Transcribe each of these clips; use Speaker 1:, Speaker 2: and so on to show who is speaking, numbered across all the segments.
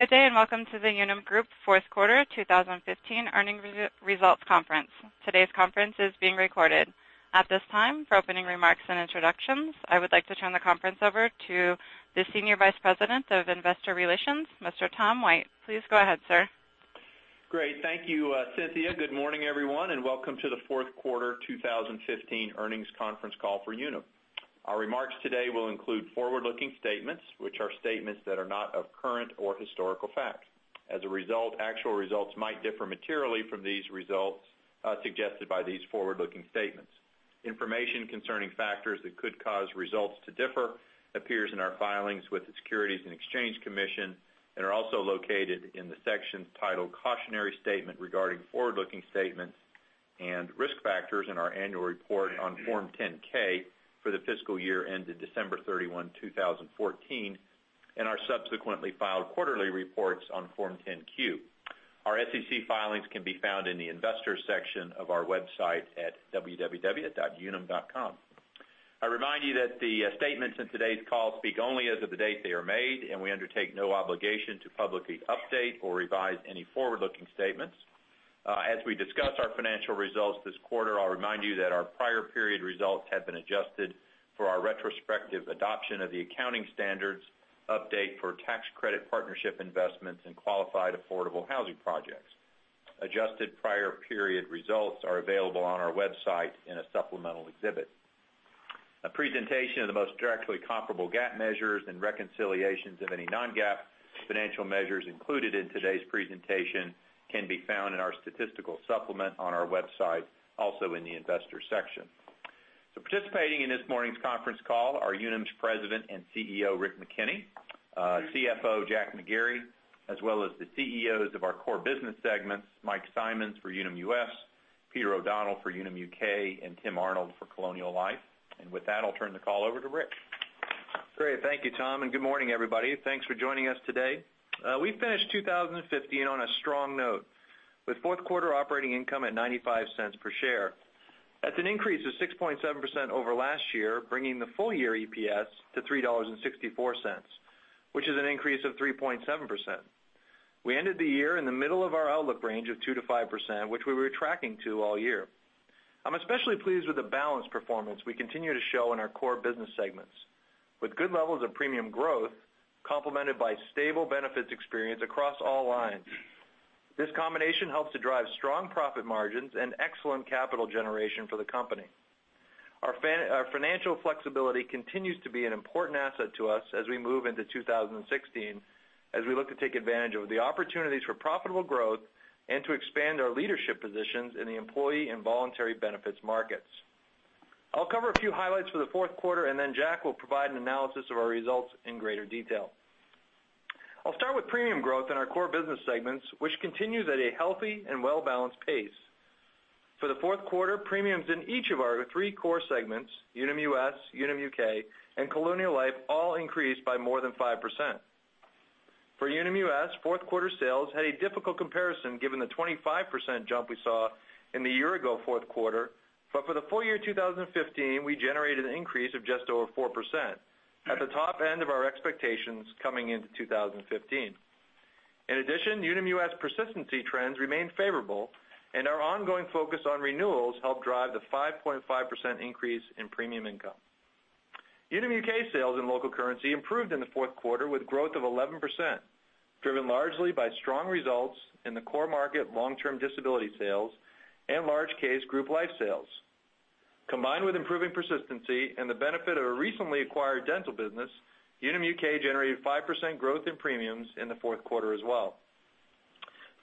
Speaker 1: Good day, and welcome to the Unum Group fourth quarter 2015 earnings results conference. Today's conference is being recorded. At this time, for opening remarks and introductions, I would like to turn the conference over to the Senior Vice President of Investor Relations, Mr. Tom White. Please go ahead, sir.
Speaker 2: Great. Thank you, Cynthia. Good morning, everyone, and welcome to the fourth quarter 2015 earnings conference call for Unum. Our remarks today will include forward-looking statements, which are statements that are not of current or historical fact. As a result, actual results might differ materially from these results suggested by these forward-looking statements. Information concerning factors that could cause results to differ appears in our filings with the Securities and Exchange Commission and are also located in the section titled Cautionary Statement regarding Forward-Looking Statements and Risk Factors in our annual report on Form 10-K for the fiscal year ended December 31, 2014, and our subsequently filed quarterly reports on Form 10-Q. Our SEC filings can be found in the investors section of our website at www.unum.com. I remind you that the statements in today's call speak only as of the date they are made, and we undertake no obligation to publicly update or revise any forward-looking statements. As we discuss our financial results this quarter, I'll remind you that our prior period results have been adjusted for our retrospective adoption of the accounting standards update for tax credit partnership investments in qualified affordable housing projects. Adjusted prior period results are available on our website in a supplemental exhibit. A presentation of the most directly comparable GAAP measures and reconciliations of any non-GAAP financial measures included in today's presentation can be found in our statistical supplement on our website, also in the investors section. Participating in this morning's conference call are Unum's President and CEO, Rick McKenney, CFO Jack McGarry, as well as the CEOs of our core business segments, Mike Simonds for Unum US, Peter O'Donnell for Unum UK, and Tim Arnold for Colonial Life. With that, I'll turn the call over to Rick.
Speaker 3: Great. Thank you, Tom, and good morning, everybody. Thanks for joining us today. We finished 2015 on a strong note with fourth quarter operating income at $0.95 per share. That's an increase of 6.7% over last year, bringing the full-year EPS to $3.64, which is an increase of 3.7%. We ended the year in the middle of our outlook range of 2%-5%, which we were tracking to all year. I'm especially pleased with the balanced performance we continue to show in our core business segments, with good levels of premium growth complemented by stable benefits experience across all lines. This combination helps to drive strong profit margins and excellent capital generation for the company. Our financial flexibility continues to be an important asset to us as we move into 2016, as we look to take advantage of the opportunities for profitable growth and to expand our leadership positions in the employee and voluntary benefits markets. I'll cover a few highlights for the fourth quarter, then Jack will provide an analysis of our results in greater detail. I'll start with premium growth in our core business segments, which continues at a healthy and well-balanced pace. For the fourth quarter, premiums in each of our three core segments, Unum US, Unum UK, and Colonial Life, all increased by more than 5%. For Unum US, fourth quarter sales had a difficult comparison given the 25% jump we saw in the year ago fourth quarter. For the full year 2015, we generated an increase of just over 4% at the top end of our expectations coming into 2015. In addition, Unum US persistency trends remain favorable, and our ongoing focus on renewals helped drive the 5.5% increase in premium income. Unum UK sales and local currency improved in the fourth quarter with growth of 11%, driven largely by strong results in the core market Long-Term Disability sales and large case group life sales. Combined with improving persistency and the benefit of a recently acquired dental business, Unum UK generated 5% growth in premiums in the fourth quarter as well.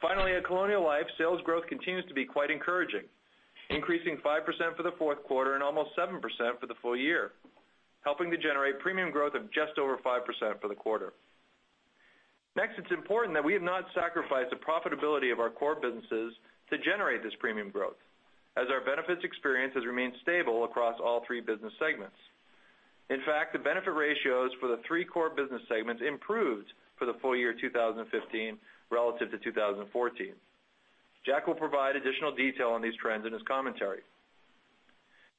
Speaker 3: Finally, at Colonial Life, sales growth continues to be quite encouraging, increasing 5% for the fourth quarter and almost 7% for the full year, helping to generate premium growth of just over 5% for the quarter. It's important that we have not sacrificed the profitability of our core businesses to generate this premium growth, as our benefits experience has remained stable across all three business segments. In fact, the benefit ratios for the three core business segments improved for the full year 2015 relative to 2014. Jack will provide additional detail on these trends in his commentary.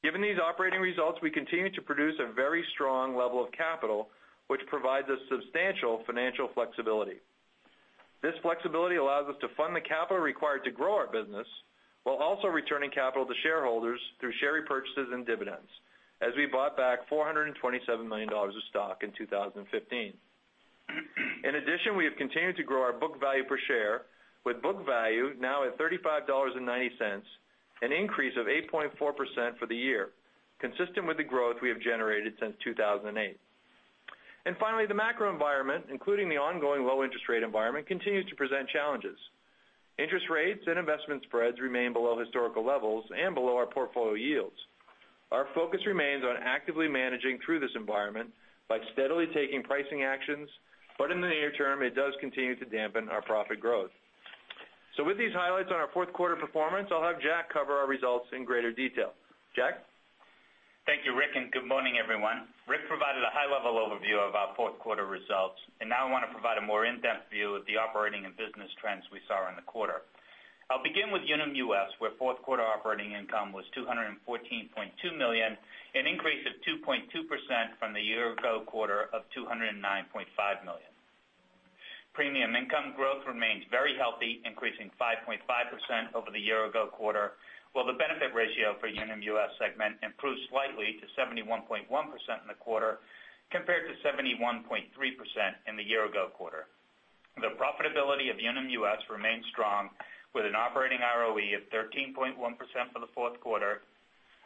Speaker 3: Given these operating results, we continue to produce a very strong level of capital, which provides us substantial financial flexibility. This flexibility allows us to fund the capital required to grow our business while also returning capital to shareholders through share repurchases and dividends, as we bought back $427 million of stock in 2015. In addition, we have continued to grow our book value per share with book value now at $35.90, an increase of 8.4% for the year, consistent with the growth we have generated since 2008. Finally, the macro environment, including the ongoing low interest rate environment, continues to present challenges. Interest rates and investment spreads remain below historical levels and below our portfolio yields. Our focus remains on actively managing through this environment by steadily taking pricing actions, but in the near term, it does continue to dampen our profit growth. With these highlights on our fourth quarter performance, I'll have Jack cover our results in greater detail. Jack?
Speaker 4: Thank you, Rick, and good morning, everyone. Rick provided a high-level overview of our fourth quarter results, now I want to provide a more in-depth view of the operating and business trends we saw in the quarter. I'll begin with Unum US, where fourth quarter operating income was $214.2 million, an increase of 2.2% from the year ago quarter of $209.5 million. Premium income growth remains very healthy, increasing 5.5% over the year ago quarter, while the benefit ratio for Unum US segment improved slightly to 71.1% in the quarter, compared to 71.3% in the year ago quarter. The profitability of Unum US remains strong, with an operating ROE of 13.1% for the fourth quarter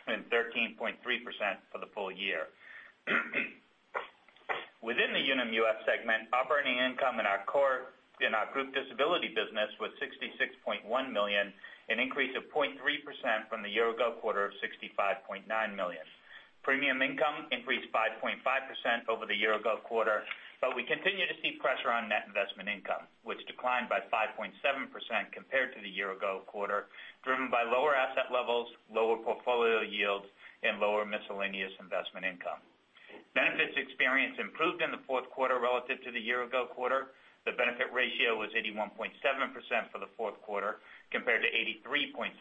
Speaker 4: and 13.3% for the full year. Within the Unum US segment, operating income in our group disability business was $66.1 million, an increase of 0.3% from the year ago quarter of $65.9 million. Premium income increased 5.5% over the year ago quarter, we continue to see pressure on net investment income, which declined by 5.7% compared to the year ago quarter, driven by lower asset levels, lower portfolio yields, and lower miscellaneous investment income. Benefits experience improved in the fourth quarter relative to the year ago quarter. The benefit ratio was 81.7% for the fourth quarter, compared to 83.7%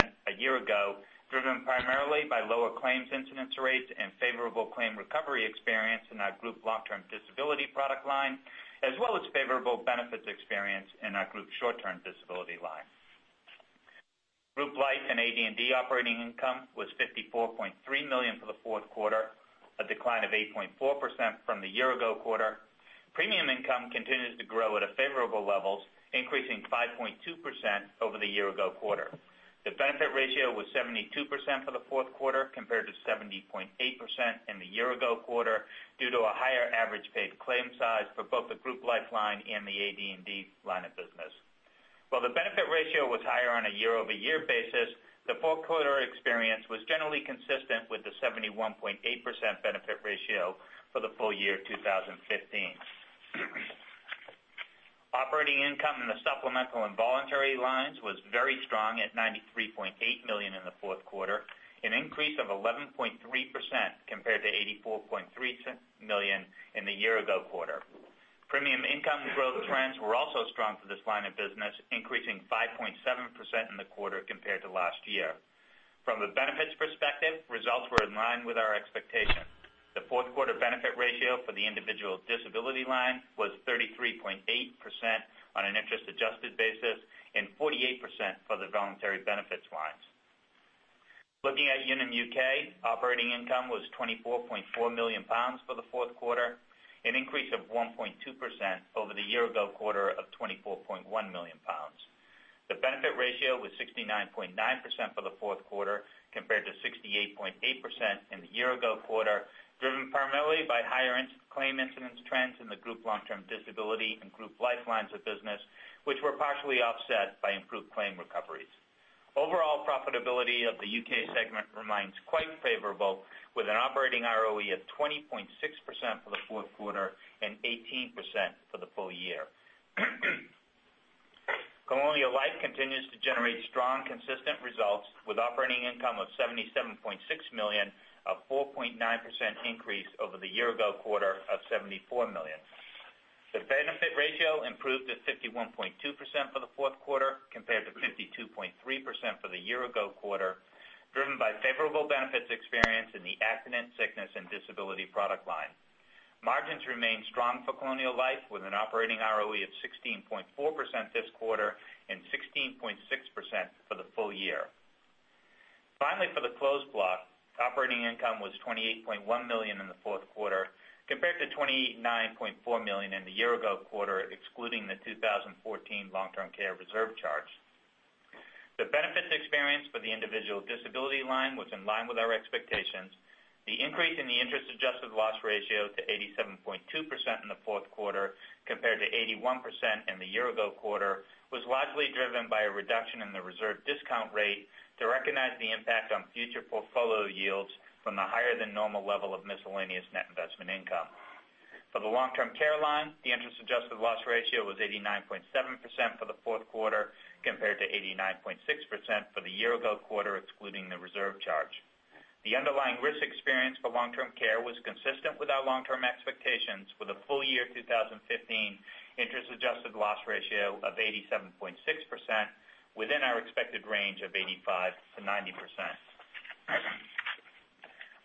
Speaker 4: a year ago, driven primarily by lower claims incidence rates and favorable claim recovery experience in our group long-term disability product line, as well as favorable benefits experience in our group short-term disability line. Group Life and AD&D operating income was $54.3 million for the fourth quarter, a decline of 8.4% from the year ago quarter. Premium income continues to grow at favorable levels, increasing 5.2% over the year ago quarter. The benefit ratio was 72% for the fourth quarter, compared to 70.8% in the year-ago quarter, due to a higher average paid claim size for both the Group Life line and the AD&D line of business. While the benefit ratio was higher on a year-over-year basis, the fourth quarter experience was generally consistent with the 71.8% benefit ratio for the full year 2015. Operating income in the Supplemental and Voluntary lines was very strong at $93.8 million in the fourth quarter, an increase of 11.3% compared to $84.3 million in the year-ago quarter. Premium income growth trends were also strong for this line of business, increasing 5.7% in the quarter compared to last year. From a benefits perspective, results were in line with our expectations. The fourth quarter benefit ratio for the individual disability line was 33.8% on an interest-adjusted basis and 48% for the voluntary benefits lines. Looking at Unum UK, operating income was £24.4 million for the fourth quarter, an increase of 1.2% over the year-ago quarter of £24.1 million. The benefit ratio was 69.9% for the fourth quarter, compared to 68.8% in the year-ago quarter, driven primarily by higher claim incidence trends in the group long-term disability and group life lines of business, which were partially offset by improved claim recoveries. Overall profitability of the UK segment remains quite favorable, with an operating ROE of 20.6% for the fourth quarter and 18% for the full year. Colonial Life continues to generate strong, consistent results with operating income of $77.6 million, a 4.9% increase over the year-ago quarter of $74 million. The benefit ratio improved to 51.2% for the fourth quarter, compared to 52.3% for the year-ago quarter, driven by favorable benefits experience in the accident, sickness, and disability product line. Margins remain strong for Colonial Life, with an operating ROE of 16.4% this quarter and 16.6% for the full year. Finally, for the Closed Block, operating income was $28.1 million in the fourth quarter, compared to $29.4 million in the year-ago quarter, excluding the 2014 long-term care reserve charge. The benefits experience for the individual disability line was in line with our expectations. The increase in the interest-adjusted loss ratio to 87.2% in the fourth quarter, compared to 81% in the year-ago quarter, was largely driven by a reduction in the reserve discount rate to recognize the impact on future portfolio yields from the higher than normal level of miscellaneous net investment income. For the long-term care line, the interest-adjusted loss ratio was 89.7% for the fourth quarter, compared to 89.6% for the year-ago quarter, excluding the reserve charge. The underlying risk experience for long-term care was consistent with our long-term expectations for the full year 2015 interest-adjusted loss ratio of 87.6% within our expected range of 85%-90%.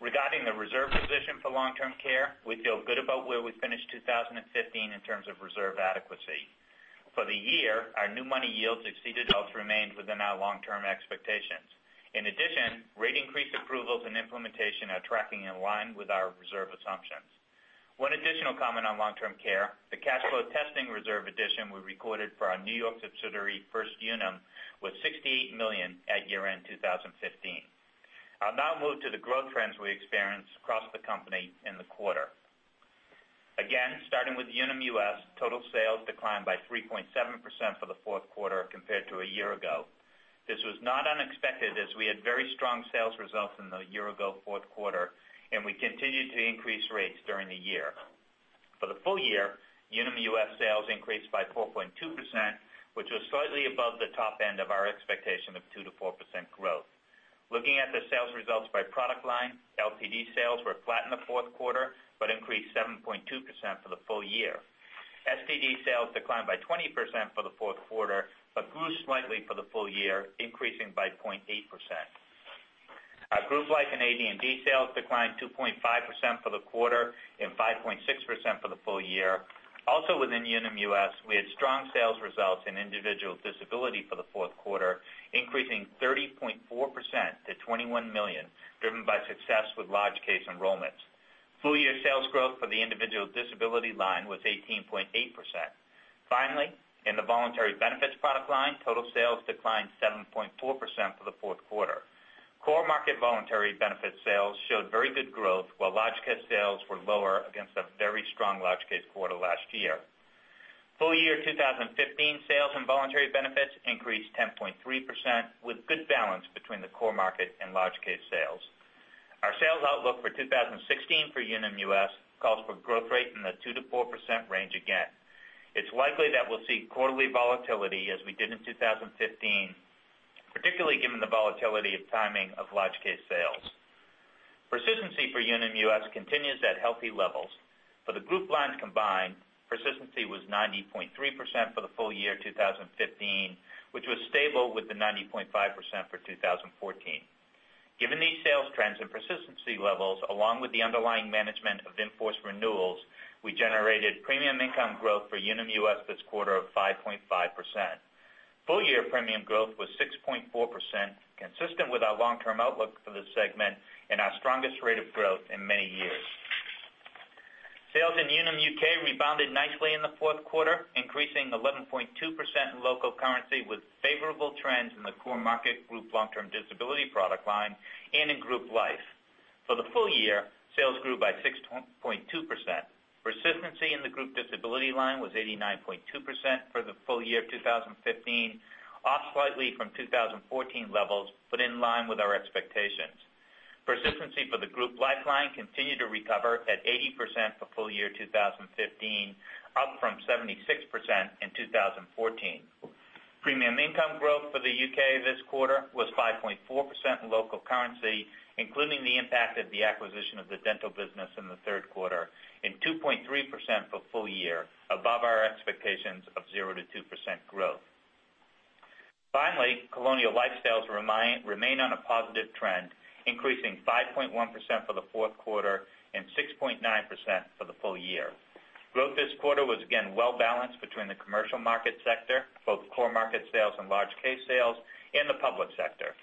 Speaker 4: Regarding the reserve position for long-term care, we feel good about where we finished 2015 in terms of reserve adequacy. For the year, our new money yields exceeded also remained within our long-term expectations. In addition, rate increase approvals and implementation are tracking in line with our reserve assumptions. One additional comment on long-term care, the cash flow testing reserve addition we recorded for our N.Y. subsidiary First Unum was $68 million at year-end 2015. I'll now move to the growth trends we experienced across the company in the quarter. Starting with Unum US, total sales declined by 3.7% for the fourth quarter compared to a year ago. This was not unexpected, as we had very strong sales results in the year ago fourth quarter, and we continued to increase rates during the year. For the full year, Unum US sales increased by 4.2%, which was slightly above the top end of our expectation of 2%-4% growth. Looking at the sales results by product line, LTD sales were flat in the fourth quarter, but increased 7.2% for the full year. STD sales declined by 20% for the fourth quarter, but grew slightly for the full year, increasing by 0.8%. Our group life and AD&D sales declined 2.5% for the quarter and 5.6% for the full year. Also within Unum US, we had strong sales results in individual disability for the fourth quarter, increasing 30.4% to $21 million, driven by success with large case enrollments. Full-year sales growth for the individual disability line was 18.8%. Finally, in the voluntary benefits product line, total sales declined 7.4% for the fourth quarter. Core market voluntary benefits sales showed very good growth, while large case sales were lower against a very strong large case quarter last year. Full year 2015 sales and voluntary benefits increased 10.3% with good balance between the core market and large case sales. Our sales outlook for 2016 for Unum US calls for growth rate in the 2%-4% range again. It's likely that we'll see quarterly volatility as we did in 2015, particularly given the volatility of timing of large case sales. Persistency for Unum US continues at healthy levels. For the group lines combined, persistency was 90.3% for the full year 2015, which was stable with the 90.5% for 2014. Given these sales trends and persistency levels, along with the underlying management of in-force renewals, we generated premium income growth for Unum US this quarter of 5.5%. Full year premium growth was 6.4%, consistent with our long-term outlook for the segment and our strongest rate of growth in many years. Sales in Unum UK rebounded nicely in the fourth quarter, increasing 11.2% in local currency with favorable trends in the core market group long-term disability product line and in group life. For the full year, sales grew by 6.2%. Persistency in the group disability line was 89.2% for the full year 2015, off slightly from 2014 levels, but in line with our expectations. Persistency for the group life line continued to recover at 80% for full year 2015, up from 76% in 2014. Premium income growth for the U.K. this quarter was 5.4% in local currency, including the impact of the acquisition of the dental business in the third quarter, and 2.3% for full year, above our expectations of 0%-2% growth. Finally, Colonial Life sales remain on a positive trend, increasing 5.1% for the fourth quarter and 6.9% for the full year. Growth this quarter was again well-balanced between the commercial market sector, both core market sales and large case sales, and the public sector.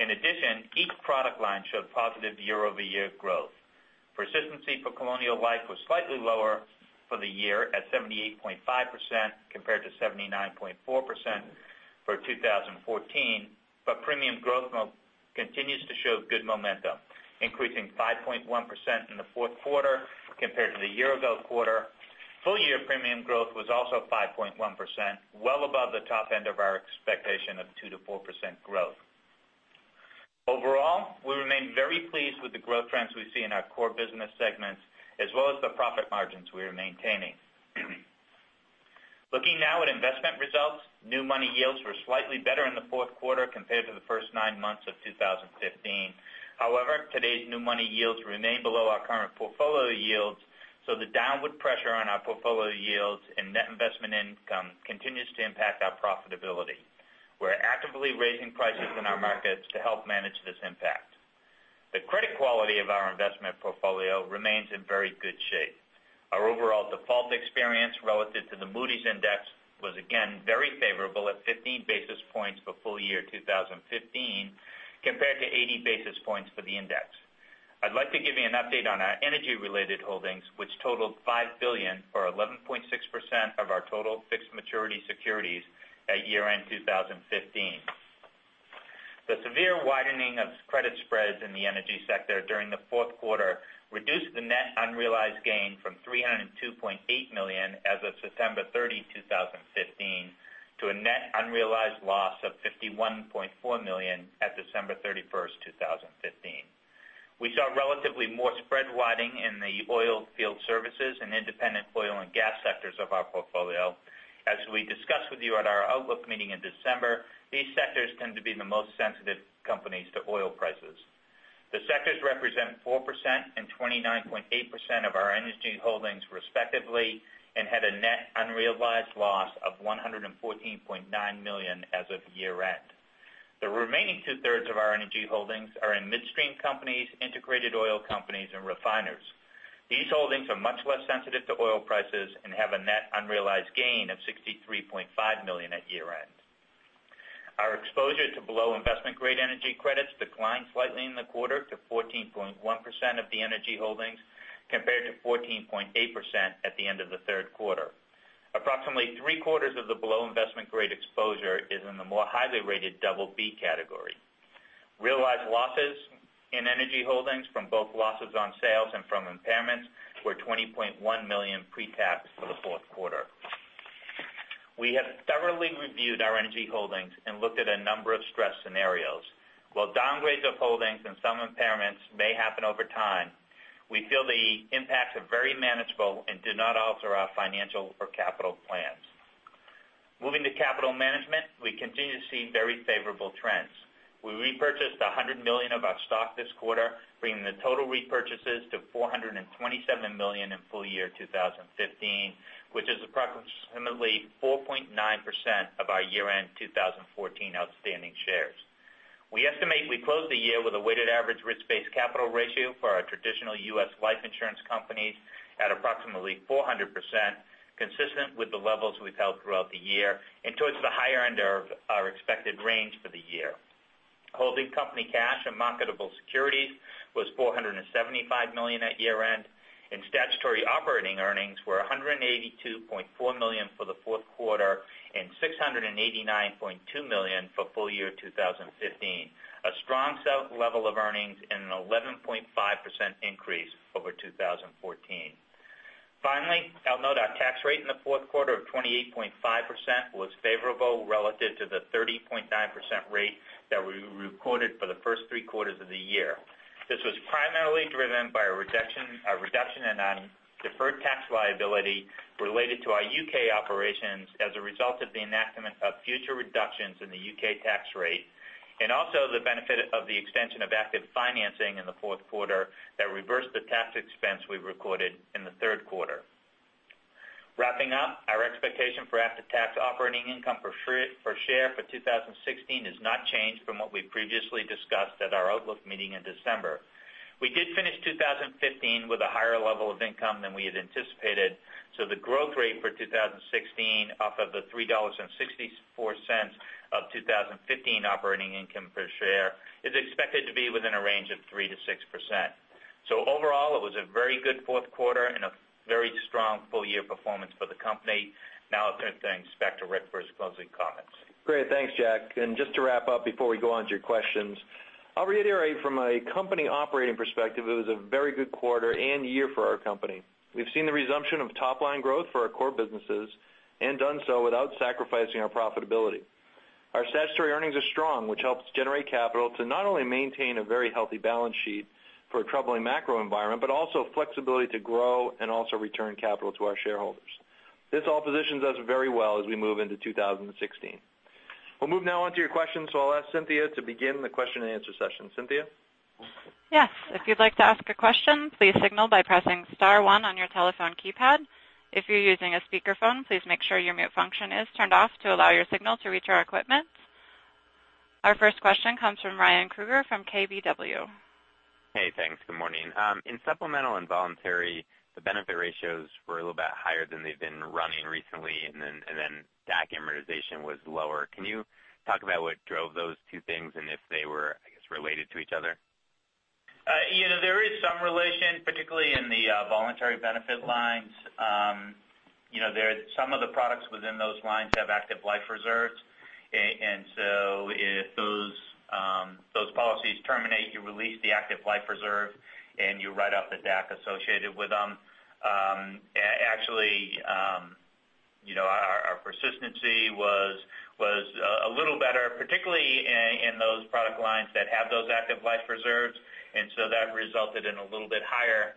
Speaker 4: In addition, each product line showed positive year-over-year growth. Persistency for Colonial Life was slightly lower for the year at 78.5% compared to 79.4% for 2014, but premium growth continues to show good momentum, increasing 5.1% in the fourth quarter compared to the year-ago quarter. Full year premium growth was also 5.1%, well above the top end of our expectation of 2%-4% growth. Overall, we remain very pleased with the growth trends we see in our core business segments, as well as the profit margins we are maintaining. Looking now at investment results, new money yields were slightly better in the fourth quarter compared to the first nine months of 2015. However, today's new money yields remain below our current portfolio yields, so the downward pressure on our portfolio yields and net investment income continues to impact our profitability. We're actively raising prices in our markets to help manage this impact. The credit quality of our investment portfolio remains in very good shape. Our overall default experience relative to the Moody's index was again very favorable at 15 basis points for full year 2015, compared to 80 basis points for the index. I'd like to give you an update on our energy-related holdings, which totaled $5 billion, or 11.6% of our total fixed maturity securities at year-end 2015. The severe widening of credit spreads in the energy sector during the fourth quarter reduced the net unrealized gain from $302.8 million as of September 30, 2015, to a net unrealized loss of $51.4 million at December 31st, 2015. We saw relatively more spread widening in the oil field services and independent oil and gas sectors of our portfolio. As we discussed with you at our outlook meeting in December, these sectors tend to be the most sensitive companies to oil prices. The sectors represent 4% and 29.8% of our energy holdings respectively and had a net unrealized loss of $114.9 million as of year-end. The remaining two-thirds of our energy holdings are in midstream companies, integrated oil companies, and refiners. These holdings are much less sensitive to oil prices and have a net unrealized gain of $63.5 million at year-end. Our exposure to below investment-grade energy credits declined slightly in the quarter to 14.1% of the energy holdings compared to 14.8% at the end of the third quarter. Approximately three-quarters of the below investment-grade exposure is in the more highly rated BB category. Realized losses in energy holdings from both losses on sales and from impairments were $20.1 million pretax for the fourth quarter. We have thoroughly reviewed our energy holdings and looked at a number of stress scenarios. While downgrades of holdings and some impairments may happen over time, we feel the impacts are very manageable and do not alter our financial or capital plans. Moving to capital management, we continue to see very favorable trends. We repurchased $100 million of our stock this quarter, bringing the total repurchases to $427 million in full year 2015, which is approximately 4.9% of our year-end 2014 outstanding shares. We estimate we closed the year with a weighted average risk-based capital ratio for our traditional U.S. life insurance companies at approximately 400%, consistent with the levels we've held throughout the year, and towards the higher end of our expected range for the year. Holding company cash and marketable securities was $475 million at year-end, and statutory operating earnings were $182.4 million for the fourth quarter and $689.2 million for full year 2015. A strong level of earnings and an 11.5% increase over 2014. Finally, I'll note our tax rate in the fourth quarter of 28.5% was favorable relative to the 30.9% rate that we recorded for the first three quarters of the year. This was primarily driven by a reduction in deferred tax liability related to our U.K. operations as a result of the enactment of future reductions in the U.K. tax rate, and also the benefit of the extension of active financing in the fourth quarter that reversed the tax expense we recorded in the third quarter. Wrapping up, our expectation for after-tax operating income per share for 2016 has not changed from what we previously discussed at our outlook meeting in December. We did finish 2015 with a higher level of income than we had anticipated, the growth rate for 2016, off of the $3.64 of 2015 operating income per share, is expected to be within a range of 3%-6%. Overall, it was a very good fourth quarter and a very strong full-year performance for the company. Now I turn things back to Rick for his closing comments.
Speaker 3: Great. Thanks, Jack. Just to wrap up before we go on to your questions, I'll reiterate from a company operating perspective, it was a very good quarter and year for our company. We've seen the resumption of top-line growth for our core businesses and done so without sacrificing our profitability. Our statutory earnings are strong, which helps generate capital to not only maintain a very healthy balance sheet for a troubling macro environment, but also flexibility to grow and also return capital to our shareholders. This all positions us very well as we move into 2016. We'll move now on to your questions, I'll ask Cynthia to begin the question and answer session. Cynthia?
Speaker 1: Yes. If you'd like to ask a question, please signal by pressing *1 on your telephone keypad. If you're using a speakerphone, please make sure your mute function is turned off to allow your signal to reach our equipment. Our first question comes from Ryan Krueger from KBW.
Speaker 5: Hey, thanks. Good morning. In supplemental and voluntary, the benefit ratios were a little bit higher than they've been running recently. DAC amortization was lower. Can you talk about what drove those two things and if they were, I guess, related to each other?
Speaker 4: There is some relation, particularly in the voluntary benefit lines. Some of the products within those lines have active life reserves. If those policies terminate, you release the active life reserve, and you write off the DAC associated with them. Actually, our persistency was a little better, particularly in those product lines that have those active life reserves, that resulted in a little bit higher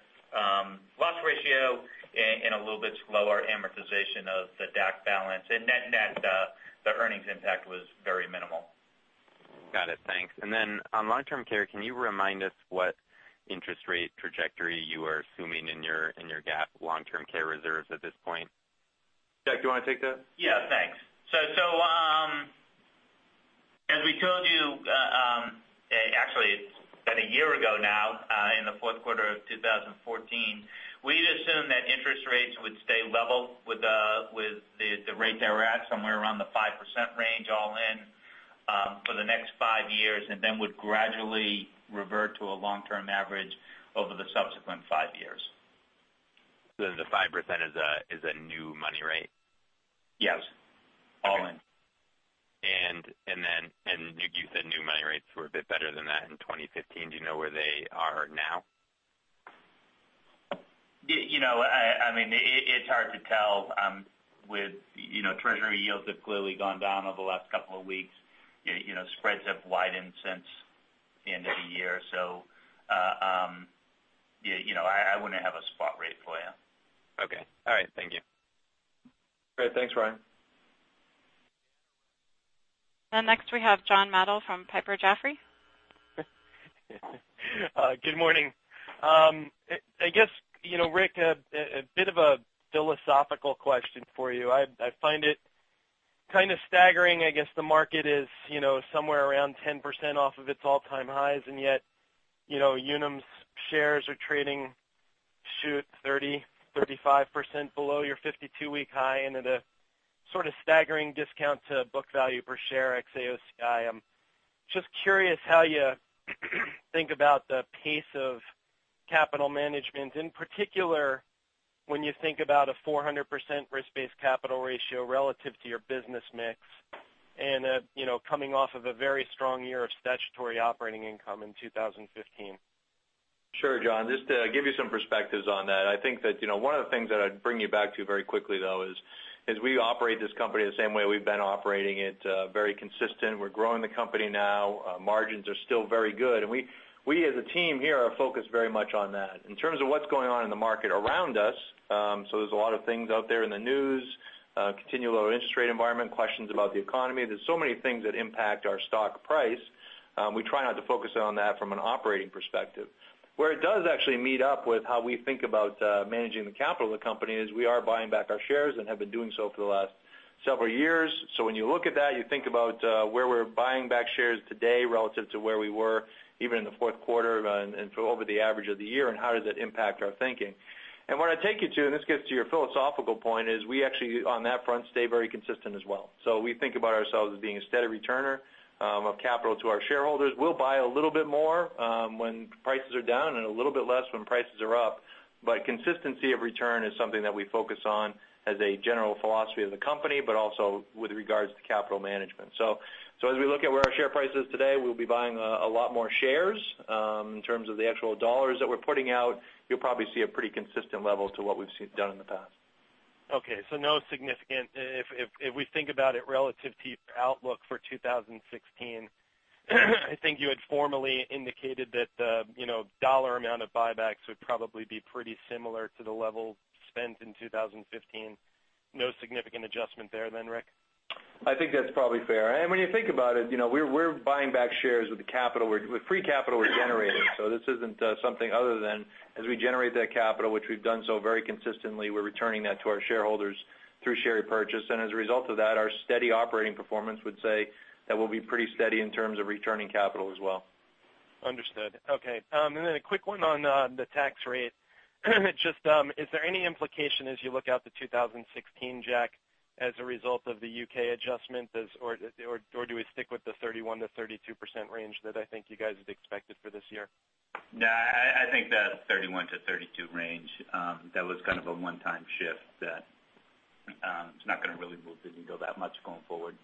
Speaker 4: loss ratio and a little bit slower amortization of the DAC balance. Net-net, the earnings impact was very minimal.
Speaker 5: Got it. Thanks. On long-term care, can you remind us what interest rate trajectory you are assuming in your GAAP long-term care reserves at this point?
Speaker 3: Jack, do you want to take that?
Speaker 4: Yeah, thanks. As we told you, actually it's been a year ago now, in the fourth quarter of 2014, we had assumed that interest rates would stay level with the rate they were at, somewhere around the 5% range all in, for the next five years, then would gradually revert to a long-term average over the subsequent five years.
Speaker 5: The 5% is a new money rate?
Speaker 4: Yes. All in.
Speaker 5: You said new money rates were a bit better than that in 2015. Do you know where they are now?
Speaker 4: It's hard to tell. Treasury yields have clearly gone down over the last couple of weeks. Spreads have widened since the end of the year. I wouldn't have a spot rate for you.
Speaker 5: Okay. All right. Thank you.
Speaker 3: Great. Thanks, Ryan.
Speaker 1: Next we have John Nadel from Piper Jaffray.
Speaker 6: Good morning. I guess, Rick, a bit of a philosophical question for you. I find it kind of staggering, I guess the market is somewhere around 10% off of its all-time highs, and yet Unum's shares are trading 30, 35% below your 52-week high and at a sort of staggering discount to book value per share ex AOCI. I'm just curious how you think about the pace of capital management, in particular, when you think about a 400% risk-based capital ratio relative to your business mix and coming off of a very strong year of statutory operating income in 2015.
Speaker 3: Sure, John. Just to give you some perspectives on that, I think that one of the things that I'd bring you back to very quickly, though, is we operate this company the same way we've been operating it, very consistent. We're growing the company now. Margins are still very good. We as a team here are focused very much on that. In terms of what's going on in the market around us there's a lot of things out there in the news, continual low interest rate environment, questions about the economy. There's so many things that impact our stock price. We try not to focus on that from an operating perspective. Where it does actually meet up with how we think about managing the capital of the company is we are buying back our shares and have been doing so for the last several years. When you look at that, you think about where we're buying back shares today relative to where we were even in the fourth quarter and over the average of the year, and how does that impact our thinking. What I take you to, and this gets to your philosophical point, is we actually, on that front, stay very consistent as well. We think about ourselves as being a steady returner of capital to our shareholders. We'll buy a little bit more when prices are down and a little bit less when prices are up. But consistency of return is something that we focus on as a general philosophy of the company, but also with regards to capital management. As we look at where our share price is today, we'll be buying a lot more shares. In terms of the actual dollars that we're putting out, you'll probably see a pretty consistent level to what we've done in the past.
Speaker 6: Okay, relative to your outlook for 2016, I think you had formally indicated that the dollar amount of buybacks would probably be pretty similar to the level spent in 2015. No significant adjustment there then, Rick?
Speaker 3: I think that's probably fair. When you think about it, we're buying back shares with free capital we generated. This isn't something other than as we generate that capital, which we've done so very consistently, we're returning that to our shareholders through share repurchase. As a result of that, our steady operating performance would say that we'll be pretty steady in terms of returning capital as well.
Speaker 6: Understood. Okay. Then a quick one on the tax rate. Just, is there any implication as you look out to 2016, Jack, as a result of the U.K. adjustment or do we stick with the 31%-32% range that I think you guys had expected for this year?
Speaker 4: No, I think the 31%-32% range, that was kind of a one-time shift that it's not going to really move the needle that much going forward.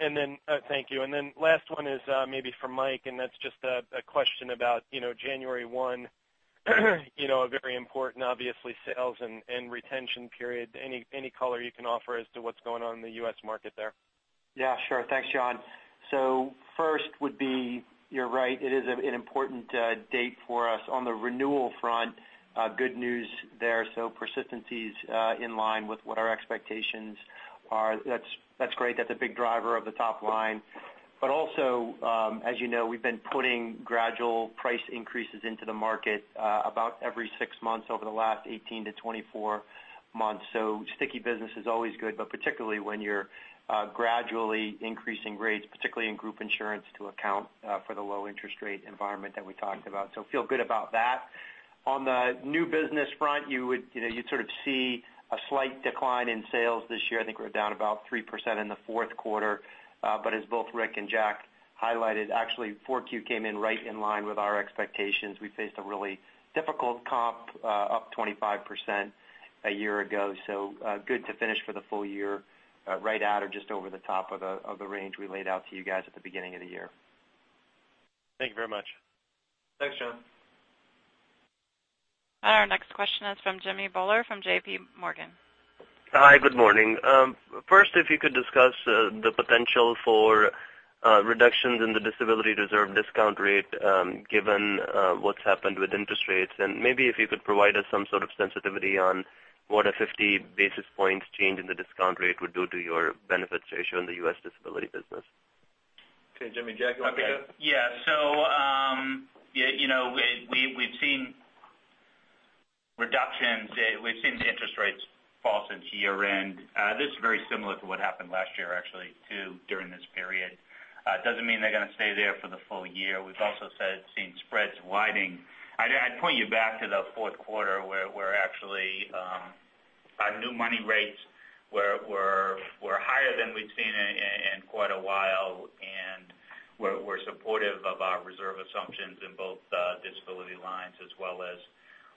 Speaker 6: Thank you. Last one is maybe for Mike, and that's just a question about January 1, a very important, obviously, sales and retention period. Any color you can offer as to what's going on in the U.S. market there?
Speaker 7: Yeah, sure. Thanks, John. First would be, you're right, it is an important date for us. On the renewal front, good news there. Persistency's in line with what our expectations are. That's great. That's a big driver of the top line. Also, as you know, we've been putting gradual price increases into the market about every six months over the last 18-24 months. Sticky business is always good, but particularly when you're gradually increasing rates, particularly in group insurance, to account for the low interest rate environment that we talked about. Feel good about that. On the new business front, you'd sort of see a slight decline in sales this year. I think we're down about 3% in the fourth quarter. As both Rick and Jack highlighted, actually 4Q came in right in line with our expectations. We faced a really difficult comp up 25% a year ago, good to finish for the full year right at or just over the top of the range we laid out to you guys at the beginning of the year.
Speaker 6: Thank you very much.
Speaker 3: Thanks, John.
Speaker 1: Our next question is from Jimmy Bhullar from J.P. Morgan.
Speaker 8: Hi, good morning. First, if you could discuss the potential for reductions in the disability reserve discount rate given what's happened with interest rates, and maybe if you could provide us some sort of sensitivity on what a 50 basis points change in the discount rate would do to your benefits ratio in the U.S. disability business.
Speaker 3: Okay, Jimmy, Jack, you want to take it?
Speaker 4: We've seen reductions. We've seen the interest rates fall since year-end. This is very similar to what happened last year actually, too, during this period. It doesn't mean they're going to stay there for the full year. We've also seen spreads widening. I'd point you back to the fourth quarter where actually our new money rates were higher than we'd seen in quite a while, and were supportive of our reserve assumptions in both disability lines as well as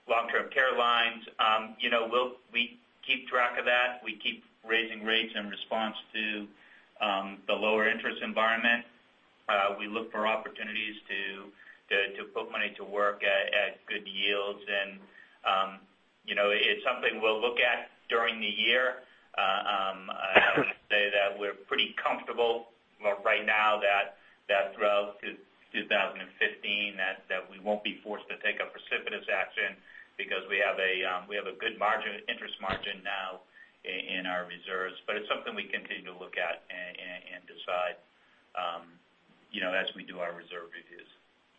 Speaker 4: long-term care lines. We keep track of that. We keep raising rates in response to the lower interest environment. We look for opportunities to put money to work at good yields, and it's something we'll look at during the year. I would say that we're pretty comfortable right now that throughout 2015, that we won't be forced to take a precipitous action because we have a good interest margin now in our reserves. It's something we continue to look at and decide as we do our reserve reviews.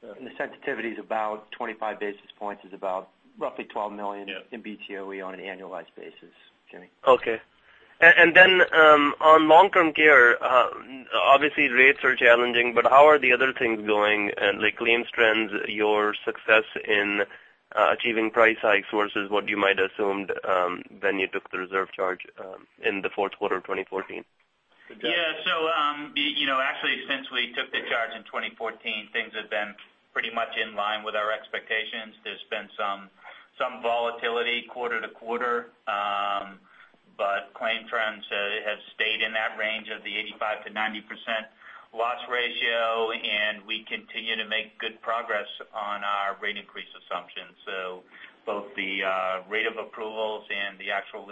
Speaker 7: The sensitivity's about 25 basis points is about roughly $12 million in BTOE on an annualized basis, Jimmy.
Speaker 8: Okay. On long-term care, obviously rates are challenging, but how are the other things going? Like claims trends, your success in achieving price hikes versus what you might assumed when you took the reserve charge in the fourth quarter of 2014?
Speaker 3: Jack.
Speaker 4: Yeah. Actually since we took the charge in 2014, things have been pretty much in line with our expectations. There's been some volatility quarter-to-quarter. Claim trends have stayed in that range of the 85%-90% loss ratio, and we continue to make good progress on our rate increase assumptions. Both the rate of approvals and the actual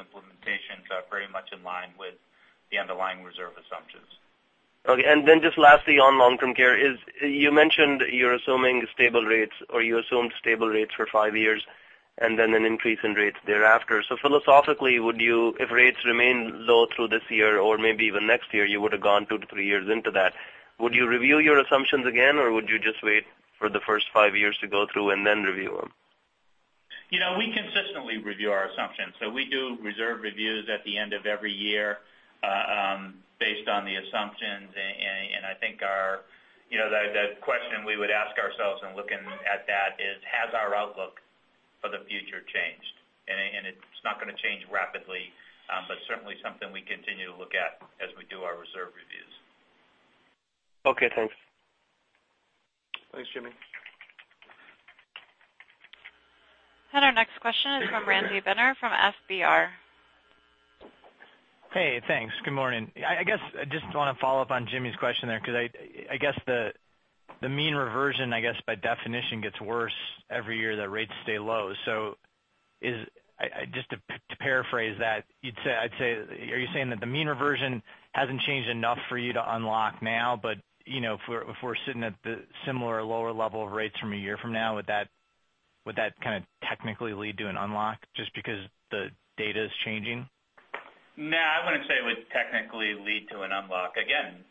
Speaker 4: underlying reserve assumptions.
Speaker 8: Okay. Just lastly, on long-term care, you mentioned you're assuming stable rates, or you assume stable rates for five years, then an increase in rates thereafter. Philosophically, if rates remain low through this year or maybe even next year, you would have gone two to three years into that. Would you review your assumptions again, or would you just wait for the first five years to go through and then review them?
Speaker 4: We consistently review our assumptions. We do reserve reviews at the end of every year based on the assumptions. I think the question we would ask ourselves in looking at that is, has our outlook for the future changed? It's not going to change rapidly. Certainly something we continue to look at as we do our reserve reviews.
Speaker 8: Okay, thanks.
Speaker 3: Thanks, Jimmy.
Speaker 1: Our next question is from Randy Binner from FBR.
Speaker 9: Hey, thanks. Good morning. I guess I just want to follow up on Jimmy's question there, because I guess the mean reversion, I guess by definition, gets worse every year that rates stay low. Just to paraphrase that, are you saying that the mean reversion hasn't changed enough for you to unlock now? If we're sitting at the similar or lower level of rates from a year from now, would that kind of technically lead to an unlock just because the data is changing?
Speaker 4: No, I wouldn't say it would technically lead to an unlock. Again,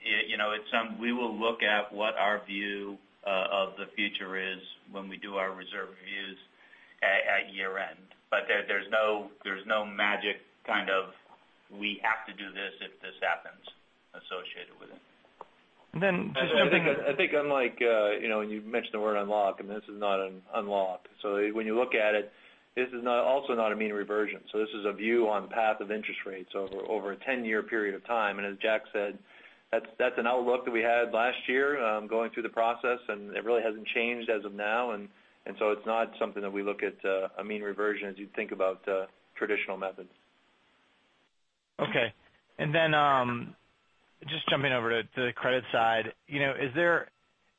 Speaker 4: we will look at what our view of the future is when we do our reserve reviews at year-end. There's no magic kind of, we have to do this if this happens associated with it.
Speaker 9: And then-
Speaker 3: I think unlike, you've mentioned the word unlock, this is not an unlock. When you look at it, this is also not a mean reversion. This is a view on path of interest rates over a 10-year period of time. As Jack said, that's an outlook that we had last year, going through the process, it really hasn't changed as of now. It's not something that we look at a mean reversion as you'd think about traditional methods.
Speaker 9: Okay. Just jumping over to the credit side.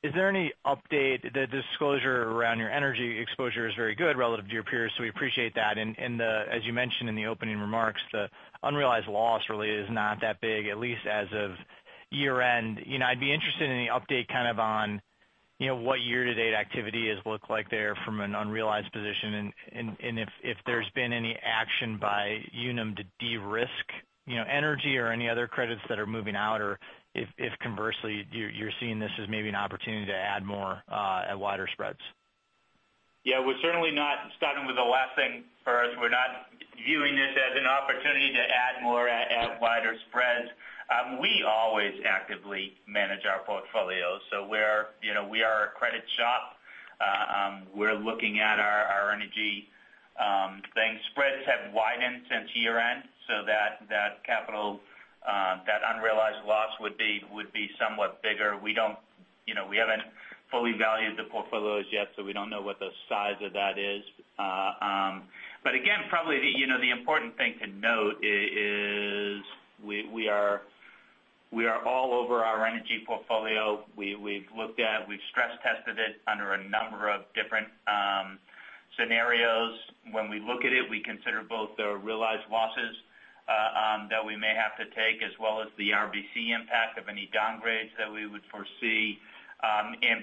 Speaker 9: Is there any update? The disclosure around your energy exposure is very good relative to your peers, we appreciate that. As you mentioned in the opening remarks, the unrealized loss really is not that big, at least as of year-end. I'd be interested in the update kind of on what year-to-date activity has looked like there from an unrealized position and if there's been any action by Unum to de-risk energy or any other credits that are moving out, or if conversely, you're seeing this as maybe an opportunity to add more at wider spreads.
Speaker 4: Yeah. We're certainly not starting with the last thing first. We're not viewing this as an opportunity to add more at wider spreads. We always actively manage our portfolios. We are a credit shop. We're looking at our energy thing. Spreads have widened since year-end, that unrealized loss would be somewhat bigger. We haven't fully valued the portfolios yet, we don't know what the size of that is. Again, probably, the important thing to note is we are all over our energy portfolio. We've stress-tested it under a number of different scenarios. When we look at it, we consider both the realized losses that we may have to take as well as the RBC impact of any downgrades that we would foresee.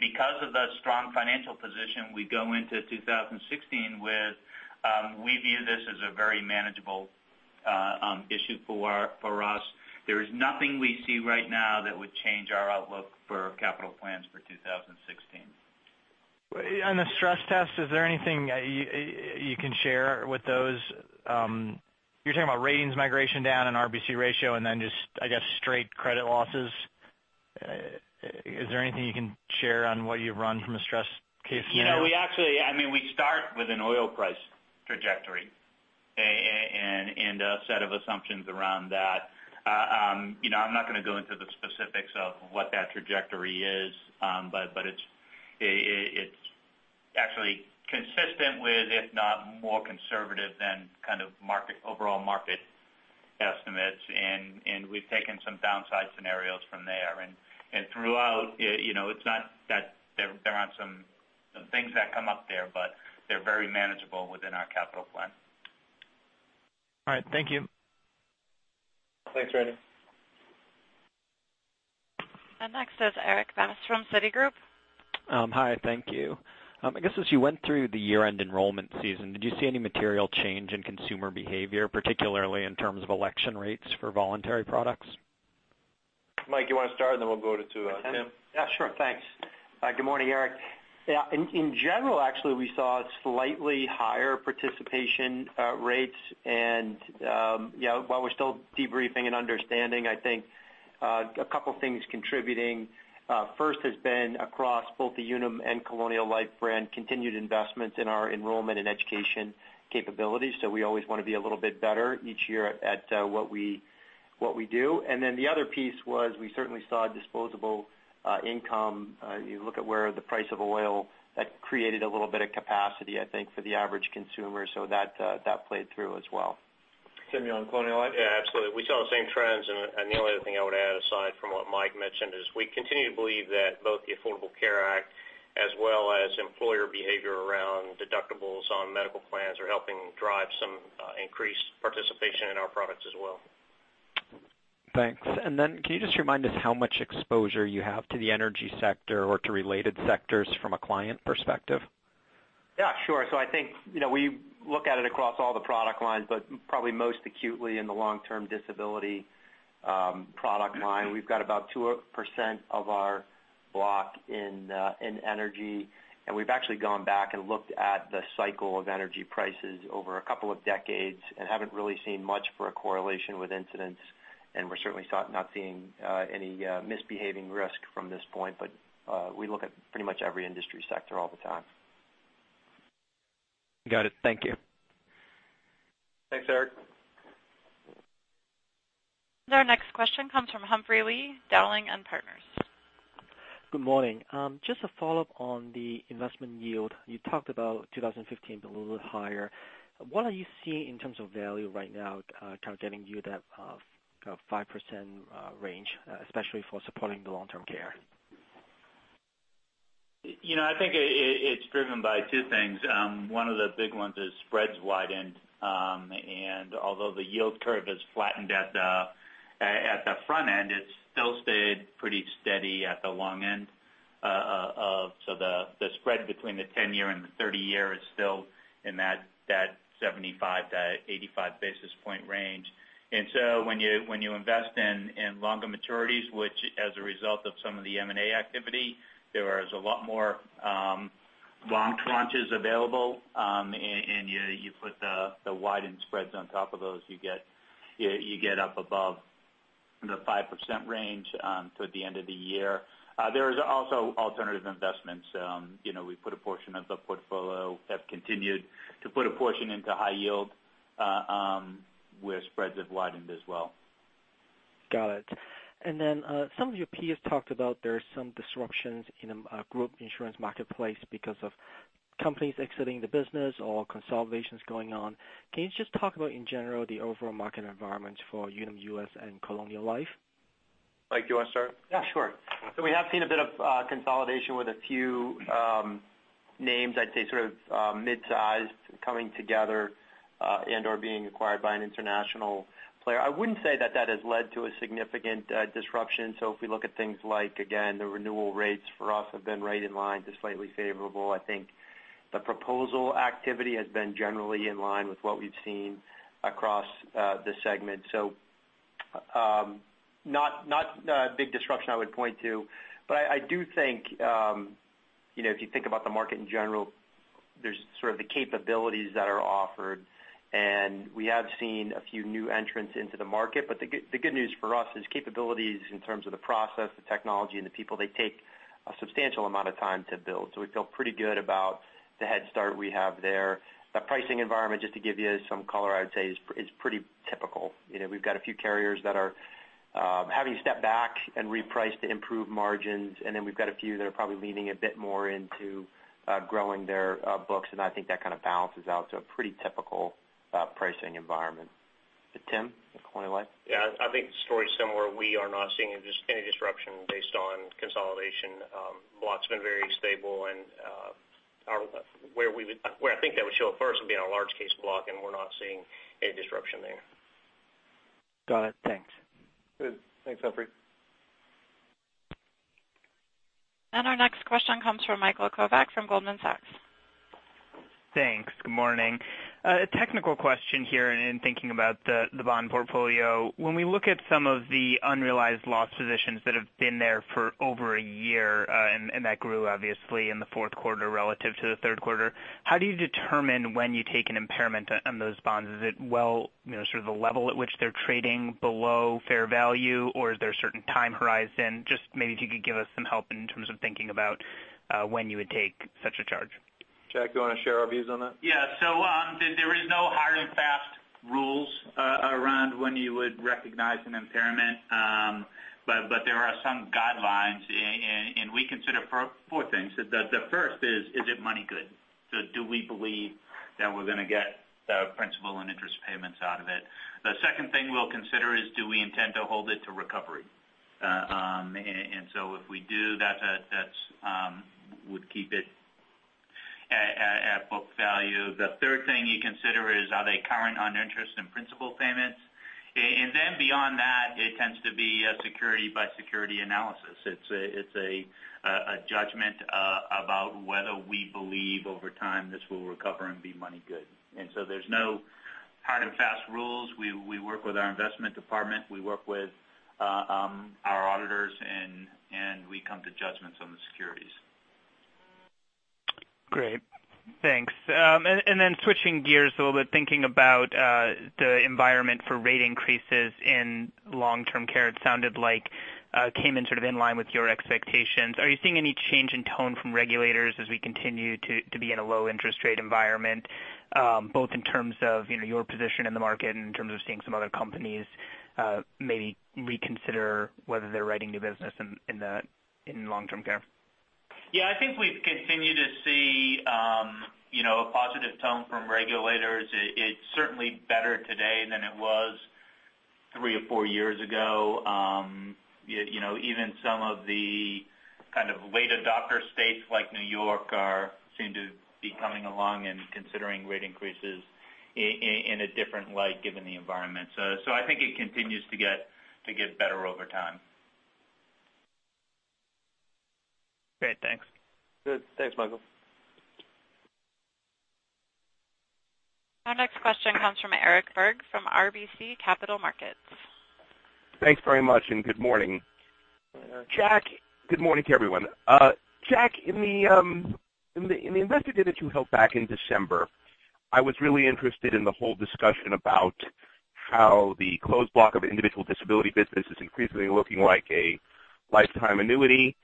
Speaker 4: Because of the strong financial position we go into 2016 with, we view this as a very manageable issue for us. There is nothing we see right now that would change our outlook for capital plans for 2016.
Speaker 9: On the stress test, is there anything you can share with those? You're talking about ratings migration down and RBC ratio and then just, I guess, straight credit losses. Is there anything you can share on what you've run from a stress case now?
Speaker 4: We start with an oil price trajectory and a set of assumptions around that. I'm not going to go into the specifics of what that trajectory is. It's actually consistent with, if not more conservative than kind of overall market estimates. We've taken some downside scenarios from there. Throughout, there aren't some things that come up there, but they're very manageable within our capital plan.
Speaker 9: All right. Thank you.
Speaker 3: Thanks, Randy.
Speaker 1: Next is Eric Vanness from Citigroup.
Speaker 10: Hi, thank you. I guess as you went through the year-end enrollment season, did you see any material change in consumer behavior, particularly in terms of election rates for voluntary products?
Speaker 3: Mike, you want to start, then we'll go to Tim?
Speaker 7: Yeah, sure. Thanks. Good morning, Eric. In general, actually, we saw slightly higher participation rates and while we're still debriefing and understanding, I think a couple of things contributing. First has been across both the Unum and Colonial Life brand, continued investments in our enrollment and education capabilities. We always want to be a little bit better each year at what we do. The other piece was we certainly saw disposable income. You look at where the price of oil, that created a little bit of capacity, I think, for the average consumer. That played through as well.
Speaker 3: Tim, you on Colonial Life?
Speaker 11: Yeah, absolutely. We saw the same trends. The only other thing I would add, aside from what Mike mentioned, is we continue to believe that both the Affordable Care Act As well as employer behavior around deductibles on medical plans are helping drive some increased participation in our products as well.
Speaker 10: Thanks. Can you just remind us how much exposure you have to the energy sector or to related sectors from a client perspective?
Speaker 7: Yeah, sure. I think, we look at it across all the product lines, but probably most acutely in the Long-Term Disability product line. We've got about 2% of our block in energy, and we've actually gone back and looked at the cycle of energy prices over a couple of decades and haven't really seen much for a correlation with incidents, and we're certainly not seeing any misbehaving risk from this point, but we look at pretty much every industry sector all the time.
Speaker 10: Got it. Thank you.
Speaker 3: Thanks, Eric.
Speaker 1: Our next question comes from Humphrey Lee, Dowling & Partners.
Speaker 12: Good morning. Just a follow-up on the investment yield. You talked about 2015 a little bit higher. What are you seeing in terms of value right now, kind of getting you that 5% range, especially for supporting the long-term care?
Speaker 4: I think it's driven by two things. One of the big ones is spreads widened. Although the yield curve has flattened at the front end, it's still stayed pretty steady at the long end. The spread between the 10-year and the 30-year is still in that 75 to 85 basis point range. When you invest in longer maturities, which as a result of some of the M&A activity, there is a lot more long tranches available. You put the widened spreads on top of those, you get up above the 5% range toward the end of the year. There is also alternative investments. We've put a portion of the portfolio, have continued to put a portion into high yield, where spreads have widened as well.
Speaker 12: Got it. Some of your peers talked about there's some disruptions in group insurance marketplace because of companies exiting the business or consolidations going on. Can you just talk about, in general, the overall market environment for Unum US and Colonial Life?
Speaker 3: Mike, do you want to start?
Speaker 7: Yeah, sure. We have seen a bit of consolidation with a few names, I'd say sort of mid-size coming together, and/or being acquired by an international player. I wouldn't say that that has led to a significant disruption. If we look at things like, again, the renewal rates for us have been right in line to slightly favorable. I think the proposal activity has been generally in line with what we've seen across the segment. Not a big disruption I would point to, but I do think, if you think about the market in general, there's sort of the capabilities that are offered, and we have seen a few new entrants into the market. The good news for us is capabilities in terms of the process, the technology, and the people, they take a substantial amount of time to build. We feel pretty good about the head start we have there. The pricing environment, just to give you some color, I would say is pretty typical. We've got a few carriers that are having to step back and reprice to improve margins, and then we've got a few that are probably leaning a bit more into growing their books, and I think that kind of balances out to a pretty typical pricing environment. To Tim at Colonial Life.
Speaker 11: Yeah, I think the story's similar. We are not seeing any disruption based on consolidation. Block's been very stable, and where I think that would show up first would be in our large case block, and we're not seeing any disruption there.
Speaker 12: Got it. Thanks.
Speaker 3: Good. Thanks, Humphrey.
Speaker 1: Our next question comes from Michael Kovac from Goldman Sachs.
Speaker 13: Thanks. Good morning. A technical question here in thinking about the bond portfolio. When we look at some of the unrealized loss positions that have been there for over a year, and that grew obviously in the fourth quarter relative to the third quarter, how do you determine when you take an impairment on those bonds? Is it the level at which they're trading below fair value, or is there a certain time horizon? Just maybe if you could give us some help in terms of thinking about when you would take such a charge.
Speaker 3: Jack, you want to share our views on that?
Speaker 4: There is no hard and fast rules around when you would recognize an impairment. There are some guidelines, and we consider four things. The first is it money good? Do we believe that we're going to get principal and interest payments out of it? The second thing we'll consider is do we intend to hold it to recovery? If we do, that would keep it at book value. The third thing you consider is, are they current on interest and principal payments? Beyond that, it tends to be a security by security analysis. It's a judgment about whether we believe over time this will recover and be money good. There's no hard and fast rules. We work with our investment department, we work with our auditors, and we come to judgments on the securities.
Speaker 13: Great. Thanks. Switching gears a little bit, thinking about the environment for rate increases in long-term care. It sounded like it came in sort of in line with your expectations. Are you seeing any change in tone from regulators as we continue to be in a low interest rate environment, both in terms of your position in the market, in terms of seeing some other companies maybe reconsider whether they're writing new business in long-term care?
Speaker 4: I think we've continued to see a positive tone from regulators. It's certainly better today than it was Three or four years ago. Yet, even some of the kind of late adopter states like New York seem to be coming along and considering rate increases in a different light given the environment. I think it continues to get better over time.
Speaker 13: Great, thanks.
Speaker 3: Good. Thanks, Michael.
Speaker 1: Our next question comes from Eric Berg from RBC Capital Markets.
Speaker 14: Thanks very much. Good morning.
Speaker 3: Hi, Eric.
Speaker 14: Jack, good morning to everyone. Jack, in the investor day that you held back in December, I was really interested in the whole discussion about how the closed block of individual disability business is increasingly looking like a lifetime annuity,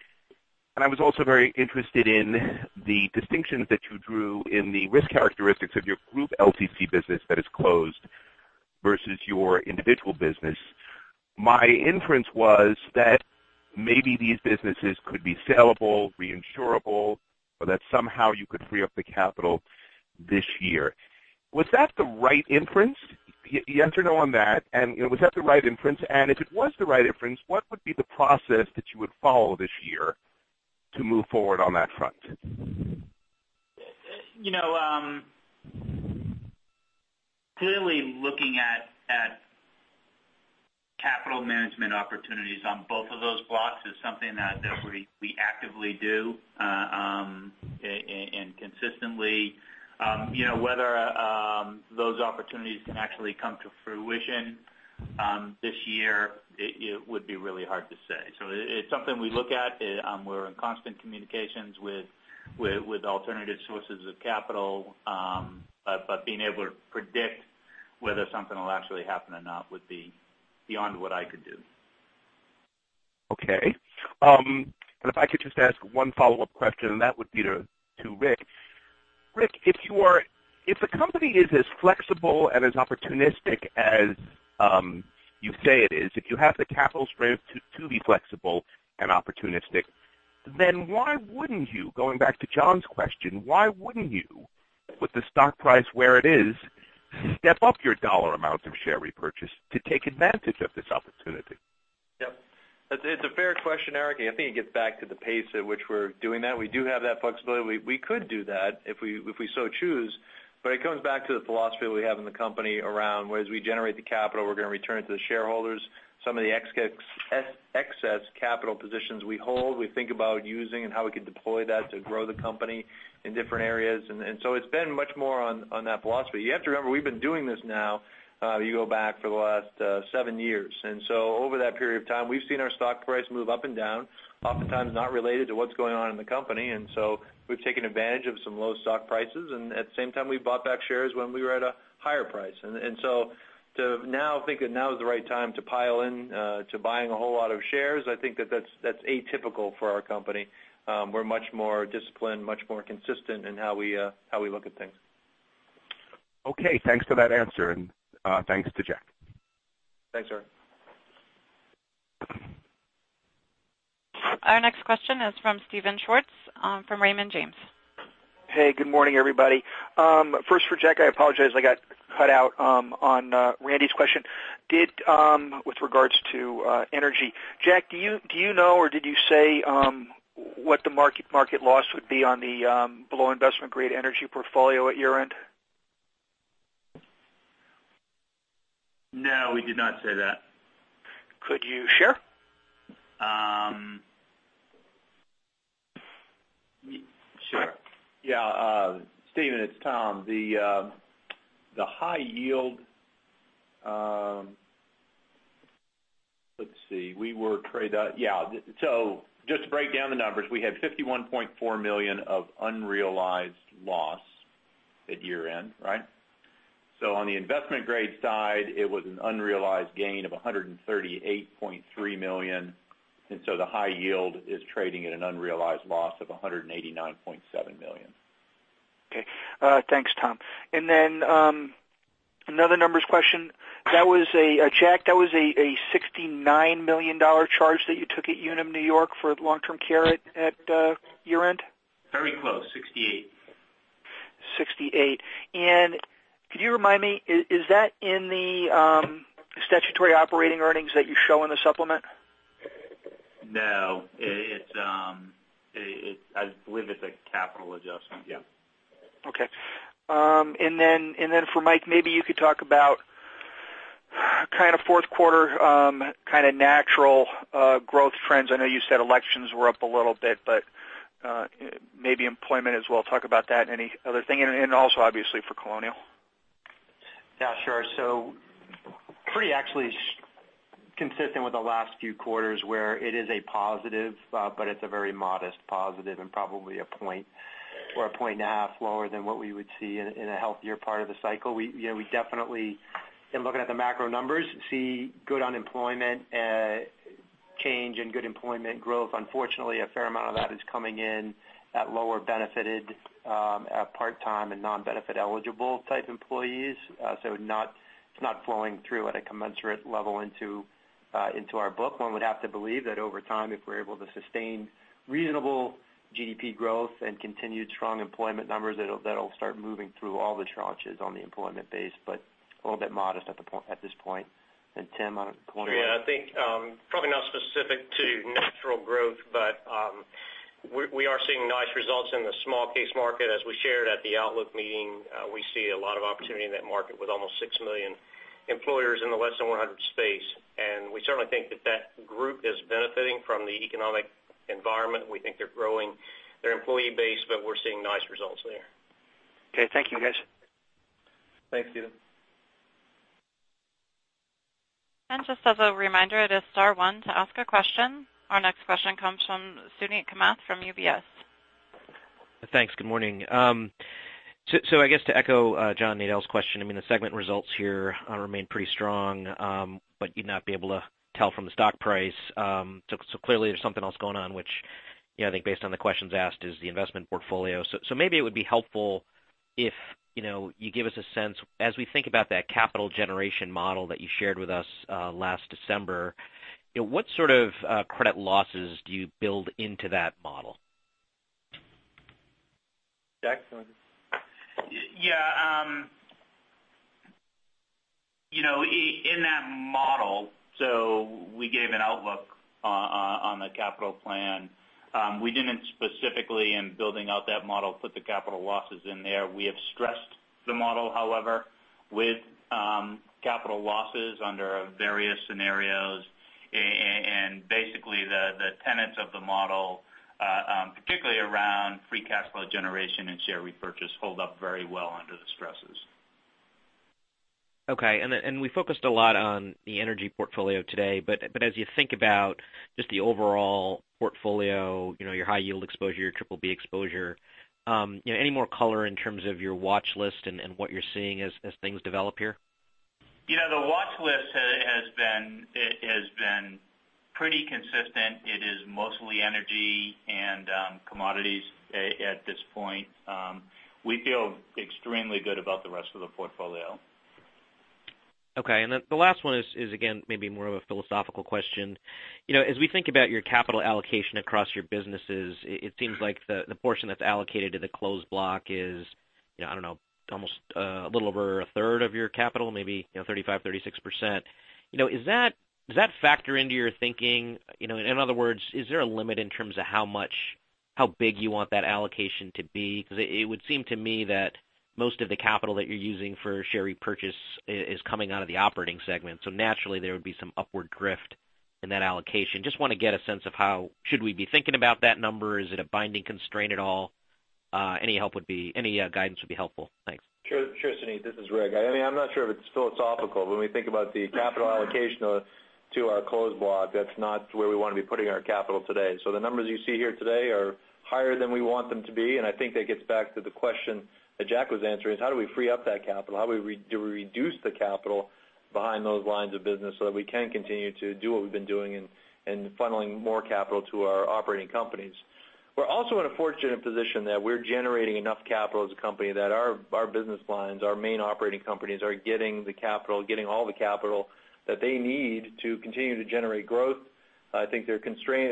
Speaker 14: and I was also very interested in the distinctions that you drew in the risk characteristics of your group LTC business that is closed versus your individual business. My inference was that maybe these businesses could be sellable, reinsurable, or that somehow you could free up the capital this year. Was that the right inference? Yes or no on that, and was that the right inference? If it was the right inference, what would be the process that you would follow this year to move forward on that front?
Speaker 4: Clearly looking at capital management opportunities on both of those blocks is something that we actively do and consistently. Whether those opportunities can actually come to fruition this year, it would be really hard to say. It's something we look at. We're in constant communications with alternative sources of capital. Being able to predict whether something will actually happen or not would be beyond what I could do.
Speaker 14: Okay. If I could just ask one follow-up question, and that would be to Rick. Rick, if the company is as flexible and as opportunistic as you say it is, if you have the capital strength to be flexible and opportunistic, then why wouldn't you, going back to John's question, why wouldn't you, with the stock price where it is, step up your dollar amount of share repurchase to take advantage of this opportunity?
Speaker 3: Yep. It's a fair question, Eric. I think it gets back to the pace at which we're doing that. We do have that flexibility. We could do that if we so choose, but it comes back to the philosophy that we have in the company around, whereas we generate the capital, we're going to return it to the shareholders. Some of the excess capital positions we hold, we think about using and how we could deploy that to grow the company in different areas. It's been much more on that philosophy. You have to remember, we've been doing this now, you go back for the last seven years. Over that period of time, we've seen our stock price move up and down, oftentimes not related to what's going on in the company. We've taken advantage of some low stock prices, and at the same time, we bought back shares when we were at a higher price. To now think that now is the right time to pile in to buying a whole lot of shares, I think that that's atypical for our company. We're much more disciplined, much more consistent in how we look at things.
Speaker 14: Okay. Thanks for that answer, and thanks to Jack.
Speaker 3: Thanks, Eric.
Speaker 1: Our next question is from Steven Schwartz from Raymond James.
Speaker 15: Hey, good morning, everybody. First for Jack, I apologize, I got cut out on Randy's question. With regards to energy. Jack, do you know or did you say what the market loss would be on the below investment-grade energy portfolio at year-end?
Speaker 4: No, we did not say that.
Speaker 15: Could you share?
Speaker 4: Sure.
Speaker 2: Yeah. Steven, it's Tom. The high yield. Let's see. Just to break down the numbers, we had $51.4 million of unrealized loss at year-end, right? On the investment-grade side, it was an unrealized gain of $138.3 million. The high yield is trading at an unrealized loss of $189.7 million.
Speaker 15: Okay. Thanks, Tom. Another numbers question. Jack, that was a $69 million charge that you took at Unum New York for long-term care at year-end?
Speaker 4: Very close. 68.
Speaker 15: 68. Could you remind me, is that in the statutory operating earnings that you show in the supplement?
Speaker 4: No. I believe it's a capital adjustment.
Speaker 2: Yeah.
Speaker 15: Okay. Then for Mike, maybe you could talk about kind of fourth quarter kind of natural growth trends. I know you said elections were up a little bit, but maybe employment as well. Talk about that and any other thing. Also obviously for Colonial.
Speaker 7: Yeah, sure. Pretty actually consistent with the last few quarters where it is a positive, but it's a very modest positive and probably 1 point or 1.5 points lower than what we would see in a healthier part of the cycle. We definitely in looking at the macro numbers, see good unemployment change and good employment growth. Unfortunately, a fair amount of that is coming in at lower benefited part-time and non-benefit eligible type employees. It's not flowing through at a commensurate level into. Into our book. One would have to believe that over time, if we're able to sustain reasonable GDP growth and continued strong employment numbers, that'll start moving through all the tranches on the employment base, but a little bit modest at this point. Tim.
Speaker 11: I think, probably not specific to natural growth, but we are seeing nice results in the small case market. As we shared at the outlook meeting, we see a lot of opportunity in that market with almost 6 million employers in the less than 100 space. We certainly think that that group is benefiting from the economic environment. We think they're growing their employee base, but we're seeing nice results there.
Speaker 15: Okay. Thank you, guys.
Speaker 3: Thanks, Steven.
Speaker 1: Just as a reminder, it is star one to ask a question. Our next question comes from Suneet Kamath from UBS.
Speaker 16: Thanks. Good morning. I guess to echo John Nadel's question, the segment results here remain pretty strong, but you'd not be able to tell from the stock price. Clearly, there's something else going on, which I think based on the questions asked is the investment portfolio. Maybe it would be helpful if you give us a sense, as we think about that capital generation model that you shared with us last December, what sort of credit losses do you build into that model?
Speaker 3: Jack?
Speaker 4: In that model, so we gave an outlook on the capital plan. We didn't specifically, in building out that model, put the capital losses in there. We have stressed the model, however, with capital losses under various scenarios. Basically, the tenets of the model, particularly around free cash flow generation and share repurchase, hold up very well under the stresses.
Speaker 16: We focused a lot on the energy portfolio today, but as you think about just the overall portfolio, your high yield exposure, your triple B exposure, any more color in terms of your watch list and what you're seeing as things develop here?
Speaker 4: The watch list has been pretty consistent. It is mostly energy and commodities at this point. We feel extremely good about the rest of the portfolio.
Speaker 16: Okay. The last one is, again, maybe more of a philosophical question. As we think about your capital allocation across your businesses, it seems like the portion that is allocated to the closed block is, I don't know, almost a little over a third of your capital, maybe 35%-36%. Does that factor into your thinking? In other words, is there a limit in terms of how big you want that allocation to be? Because it would seem to me that most of the capital that you are using for share repurchase is coming out of the operating segment. Naturally, there would be some upward drift in that allocation. I just want to get a sense of how should we be thinking about that number? Is it a binding constraint at all? Any guidance would be helpful. Thanks.
Speaker 3: Sure, Suneet. This is Rick. I'm not sure if it's philosophical. When we think about the capital allocation to our closed block, that's not where we want to be putting our capital today. The numbers you see here today are higher than we want them to be, and I think that gets back to the question that Jack was answering, is how do we free up that capital? How do we reduce the capital behind those lines of business so that we can continue to do what we've been doing in funneling more capital to our operating companies. We're also in a fortunate position that we're generating enough capital as a company that our business lines, our main operating companies, are getting all the capital that they need to continue to generate growth. I think their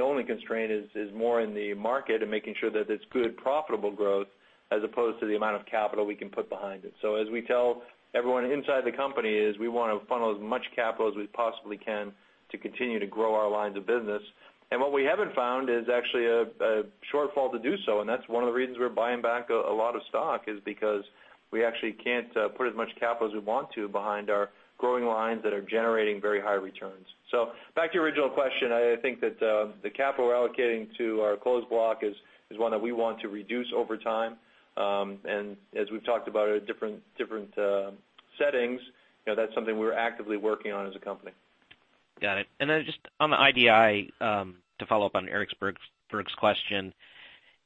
Speaker 3: only constraint is more in the market and making sure that it's good, profitable growth as opposed to the amount of capital we can put behind it. As we tell everyone inside the company is we want to funnel as much capital as we possibly can to continue to grow our lines of business. What we haven't found is actually a shortfall to do so, and that's one of the reasons we're buying back a lot of stock, is because we actually can't put as much capital as we want to behind our growing lines that are generating very high returns. Back to your original question, I think that the capital we're allocating to our closed block is one that we want to reduce over time. As we've talked about at different settings, that's something we're actively working on as a company.
Speaker 16: Got it. Just on the IDI, to follow up on Eric Berg's question,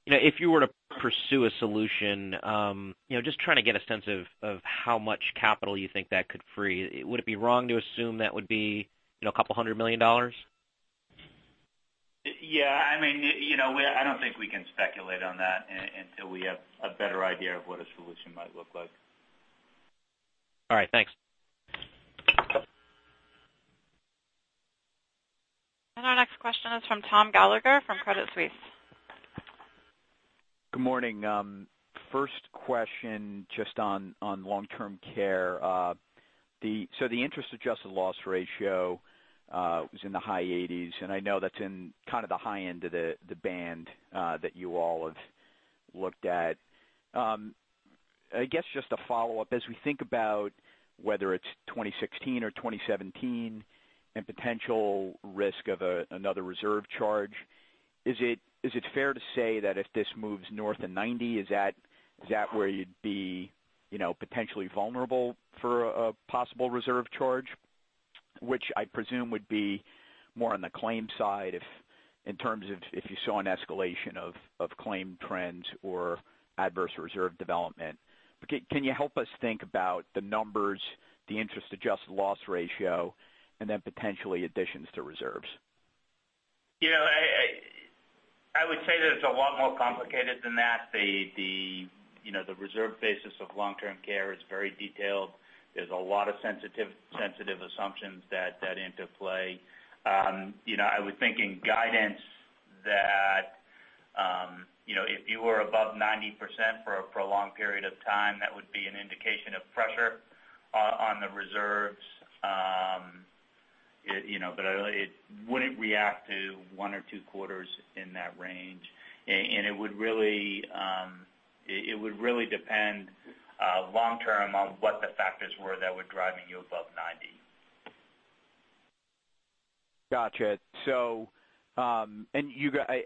Speaker 16: if you were to pursue a solution, just trying to get a sense of how much capital you think that could free. Would it be wrong to assume that would be a couple hundred million dollars?
Speaker 4: Yeah. I don't think we can speculate on that until we have a better idea of what a solution might look like.
Speaker 16: All right. Thanks.
Speaker 1: Our next question is from Tom Gallagher from Credit Suisse.
Speaker 17: Good morning. First question just on long-term care. The interest-adjusted loss ratio was in the high 80s, I know that's in kind of the high end of the band that you all have looked at. I guess just a follow-up, as we think about whether it's 2016 or 2017 and potential risk of another reserve charge, is it fair to say that if this moves north of 90, is that where you'd be potentially vulnerable for a possible reserve charge? Which I presume would be more on the claims side in terms of if you saw an escalation of claim trends or adverse reserve development. Can you help us think about the numbers, the interest-adjusted loss ratio, and then potentially additions to reserves?
Speaker 4: It's a lot more complicated than that. The reserve basis of long-term care is very detailed. There's a lot of sensitive assumptions that interplay. I was thinking guidance that if you were above 90% for a prolonged period of time, that would be an indication of pressure on the reserves. It wouldn't react to one or two quarters in that range. It would really depend long-term on what the factors were that were driving you above 90.
Speaker 17: Got you.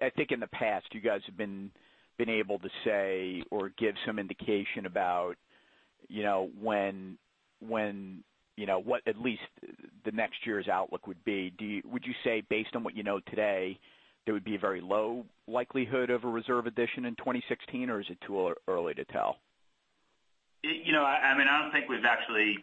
Speaker 17: I think in the past, you guys have been able to say or give some indication about what at least the next year's outlook would be. Would you say, based on what you know today, there would be a very low likelihood of a reserve addition in 2016, or is it too early to tell?
Speaker 4: I don't think we've actually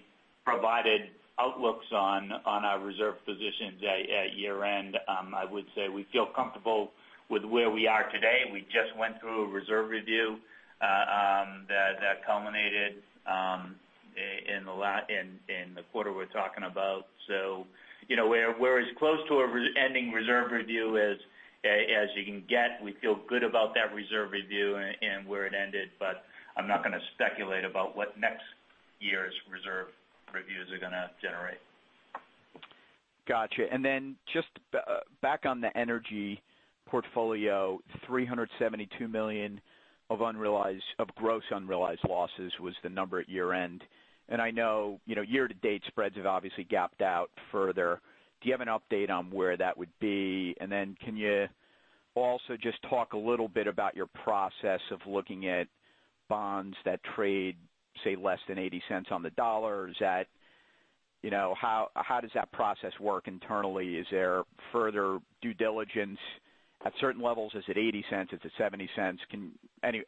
Speaker 4: provided outlooks on our reserve positions at year-end. I would say we feel comfortable with where we are today. We just went through a reserve review that culminated in the quarter we're talking about. We're as close to an ending reserve review as you can get. We feel good about that reserve review and where it ended, I'm not going to speculate about what next year's reserve reviews are going to generate.
Speaker 17: Got you. Just back on the energy portfolio, $372 million of gross unrealized losses was the number at year-end. I know year-to-date spreads have obviously gapped out further. Do you have an update on where that would be? Can you also just talk a little bit about your process of looking at bonds that trade, say, less than $0.80 on the dollar? How does that process work internally? Is there further due diligence at certain levels? Is it $0.80? Is it $0.70?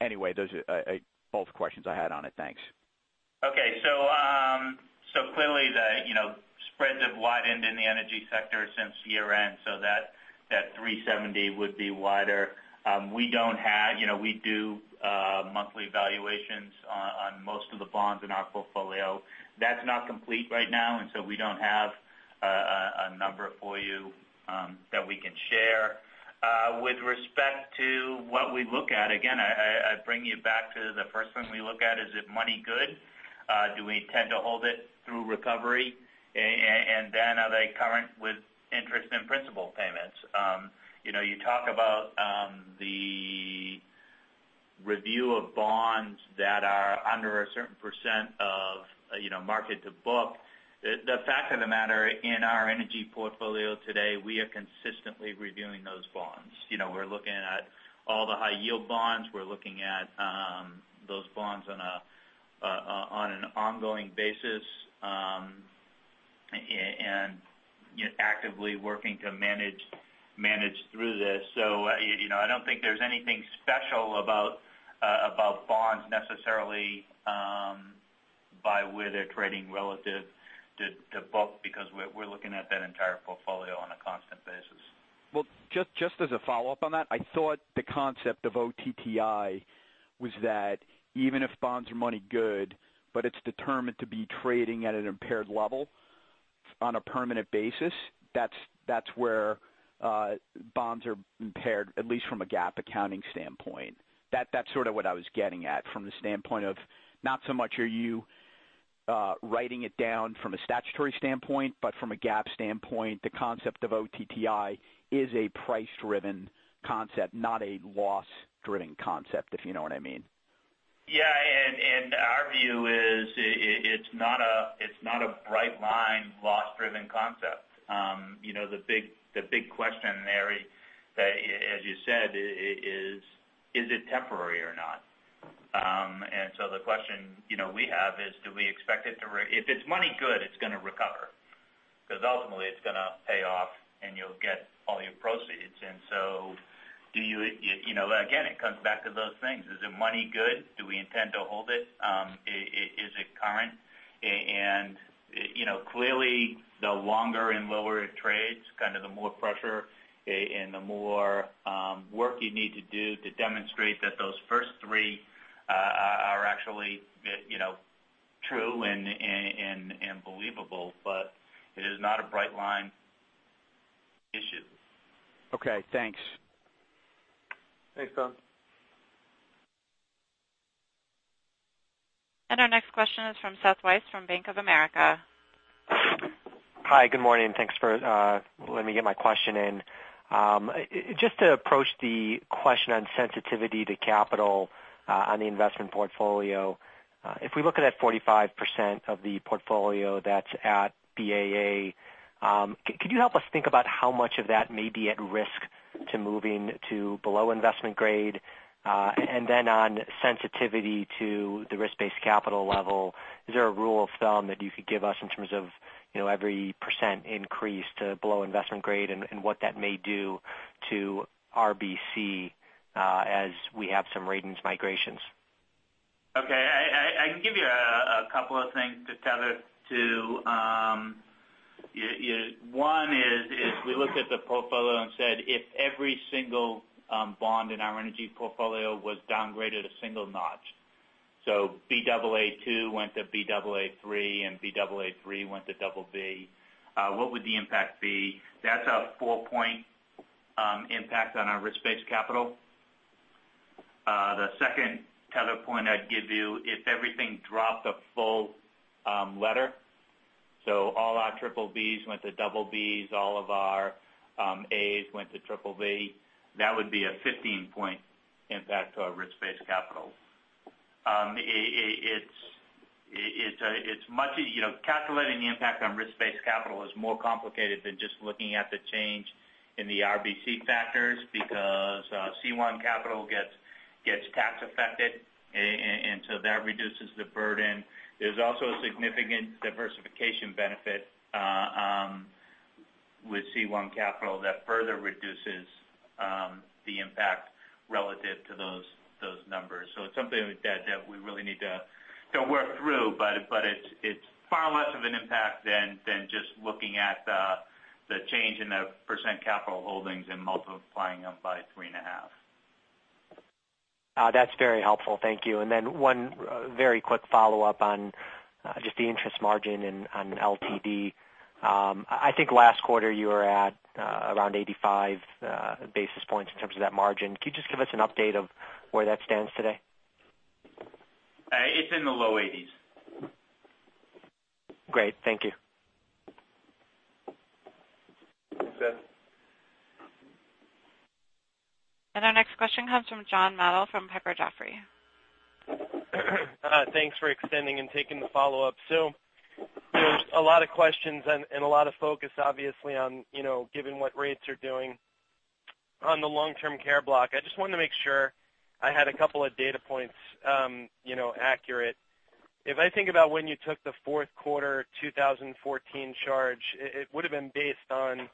Speaker 17: Anyway, those are both questions I had on it. Thanks.
Speaker 4: Clearly the spreads have widened in the energy sector since year-end, so that 370 would be wider. We do monthly evaluations on most of the bonds in our portfolio. That's not complete right now, we don't have a number for you that we can share. With respect to what we look at, again, I bring you back to the first thing we look at. Is it money good? Do we intend to hold it through recovery? Are they current with interest and principal payments? You talk about the review of bonds that are under a certain % of market to book. The fact of the matter, in our energy portfolio today, we are consistently reviewing those bonds. We're looking at all the high-yield bonds. We're looking at those bonds on an ongoing basis. Actively working to manage through this. I don't think there's anything special about bonds necessarily by where they're trading relative to book because we're looking at that entire portfolio on a constant basis.
Speaker 17: Well, just as a follow-up on that, I thought the concept of OTTI was that even if bonds are money good, but it's determined to be trading at an impaired level on a permanent basis, that's where bonds are impaired, at least from a GAAP accounting standpoint. That's sort of what I was getting at from the standpoint of not so much are you writing it down from a statutory standpoint, but from a GAAP standpoint, the concept of OTTI is a price-driven concept, not a loss-driven concept, if you know what I mean.
Speaker 4: Yeah. Our view is it's not a bright line loss-driven concept. The big question, Tom, as you said, is it temporary or not? The question we have is do we expect it to, if it's money good, it's going to recover because ultimately it's going to pay off and you'll get all your proceeds. Again, it comes back to those things. Is it money good? Do we intend to hold it? Is it current? Clearly the longer and lower it trades, kind of the more pressure and the more work you need to do to demonstrate that those first three are actually true and believable. It is not a bright line issue.
Speaker 17: Okay, thanks.
Speaker 3: Thanks, Tom.
Speaker 1: Our next question is from Seth Weiss from Bank of America.
Speaker 18: Hi, good morning. Thanks for letting me get my question in. Just to approach the question on sensitivity to capital on the investment portfolio. If we look at that 45% of the portfolio that's at BAA, could you help us think about how much of that may be at risk to moving to below investment grade? Then on sensitivity to the risk-based capital level, is there a rule of thumb that you could give us in terms of every percent increase to below investment grade and what that may do to RBC as we have some ratings migrations?
Speaker 4: Okay. I can give you a couple of things to tether to. One is we looked at the portfolio and said, if every single bond in our energy portfolio was downgraded a single notch, so Baa2 went to Baa3, and Baa3 went to BB, what would the impact be? That's a four-point impact on our risk-based capital. The second tether point I'd give you, if everything dropped a full letter, so all our BBBs went to BBs, all of our As went to BBB, that would be a 15-point impact to our risk-based capital. Calculating the impact on risk-based capital is more complicated than just looking at the change in the RBC factors because C1 capital gets tax affected, and that reduces the burden. There's also a significant diversification benefit with C1 capital that further reduces the impact relative to those numbers. It's something that we really need to work through. It's far less of an impact than just looking at the change in the percent capital holdings and multiplying them by three and a half.
Speaker 18: That's very helpful. Thank you. One very quick follow-up on just the interest margin and on LTD. I think last quarter you were at around 85 basis points in terms of that margin. Could you just give us an update of where that stands today?
Speaker 4: It's in the low 80s.
Speaker 18: Great. Thank you.
Speaker 3: Thanks, Seth.
Speaker 1: Our next question comes from John Nadel from Piper Jaffray.
Speaker 6: Thanks for extending and taking the follow-up. There's a lot of questions and a lot of focus, obviously, given what rates are doing on the long-term care block. I just wanted to make sure I had a couple of data points accurate. If I think about when you took the fourth quarter 2014 charge, it would have been based on,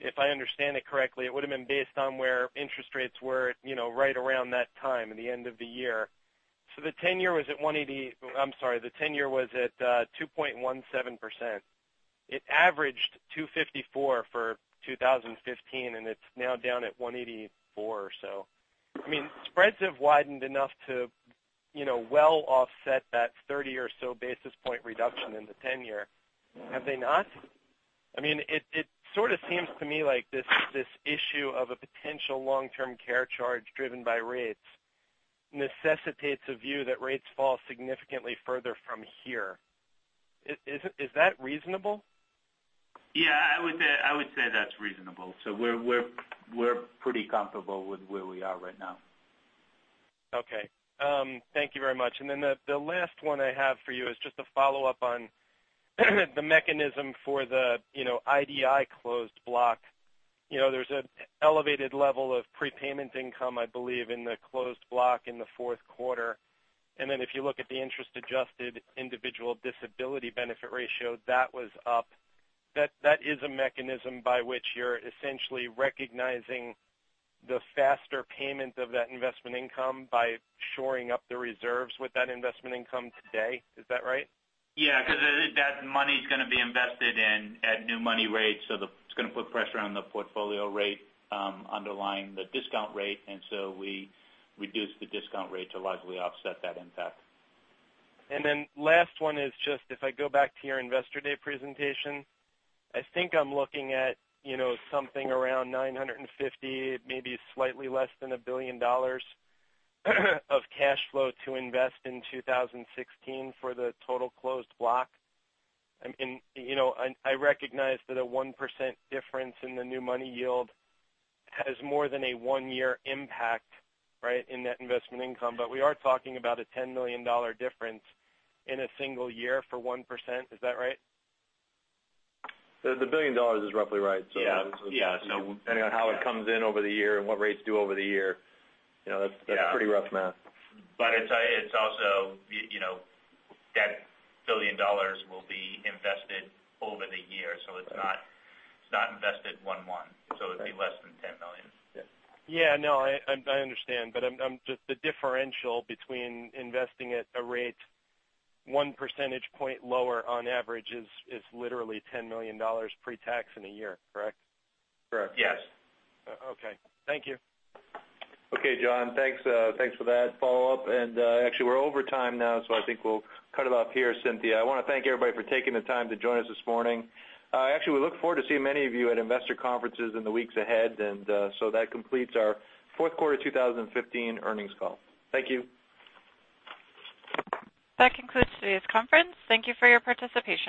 Speaker 6: if I understand it correctly, it would have been based on where interest rates were right around that time at the end of the year. The 10-year was at 2.17%. It averaged 254 for 2015, and it's now down at 184 or so. Spreads have widened enough to well offset that 30 or so basis point reduction in the 10-year. Have they not? It sort of seems to me like this issue of a potential long-term care charge driven by rates necessitates a view that rates fall significantly further from here. Is that reasonable?
Speaker 4: Yeah, I would say that's reasonable. We're pretty comfortable with where we are right now.
Speaker 6: Okay. Thank you very much. The last one I have for you is just a follow-up on the mechanism for the IDI closed block. There's an elevated level of prepayment income, I believe, in the closed block in the fourth quarter. If you look at the interest-adjusted individual disability benefit ratio, that was up. That is a mechanism by which you're essentially recognizing the faster payment of that investment income by shoring up the reserves with that investment income today. Is that right?
Speaker 4: Yeah, because that money's going to be invested in at new money rates. It's going to put pressure on the portfolio rate underlying the discount rate, we reduce the discount rate to largely offset that impact.
Speaker 6: Last one is just, if I go back to your Investor Day presentation. I think I'm looking at something around 950, maybe slightly less than $1 billion of cash flow to invest in 2016 for the total closed block. I recognize that a 1% difference in the new money yield has more than a one-year impact in that investment income. We are talking about a $10 million difference in a single year for 1%. Is that right?
Speaker 3: The $1 billion is roughly right.
Speaker 4: Yeah.
Speaker 3: Depending on how it comes in over the year and what rates do over the year. That's pretty rough math.
Speaker 4: It's also that $1 billion will be invested over the year. It's not invested one-one, it'd be less than $10 million.
Speaker 6: I understand. The differential between investing at a rate one percentage point lower on average is literally $10 million pre-tax in a year, correct?
Speaker 3: Correct.
Speaker 4: Yes.
Speaker 6: Okay. Thank you.
Speaker 3: Okay, John, thanks for that follow-up. Actually, we're over time now. I think we'll cut it off here. Cynthia, I want to thank everybody for taking the time to join us this morning. Actually, we look forward to seeing many of you at investor conferences in the weeks ahead. That completes our fourth quarter 2015 earnings call. Thank you.
Speaker 1: That concludes today's conference. Thank you for your participation.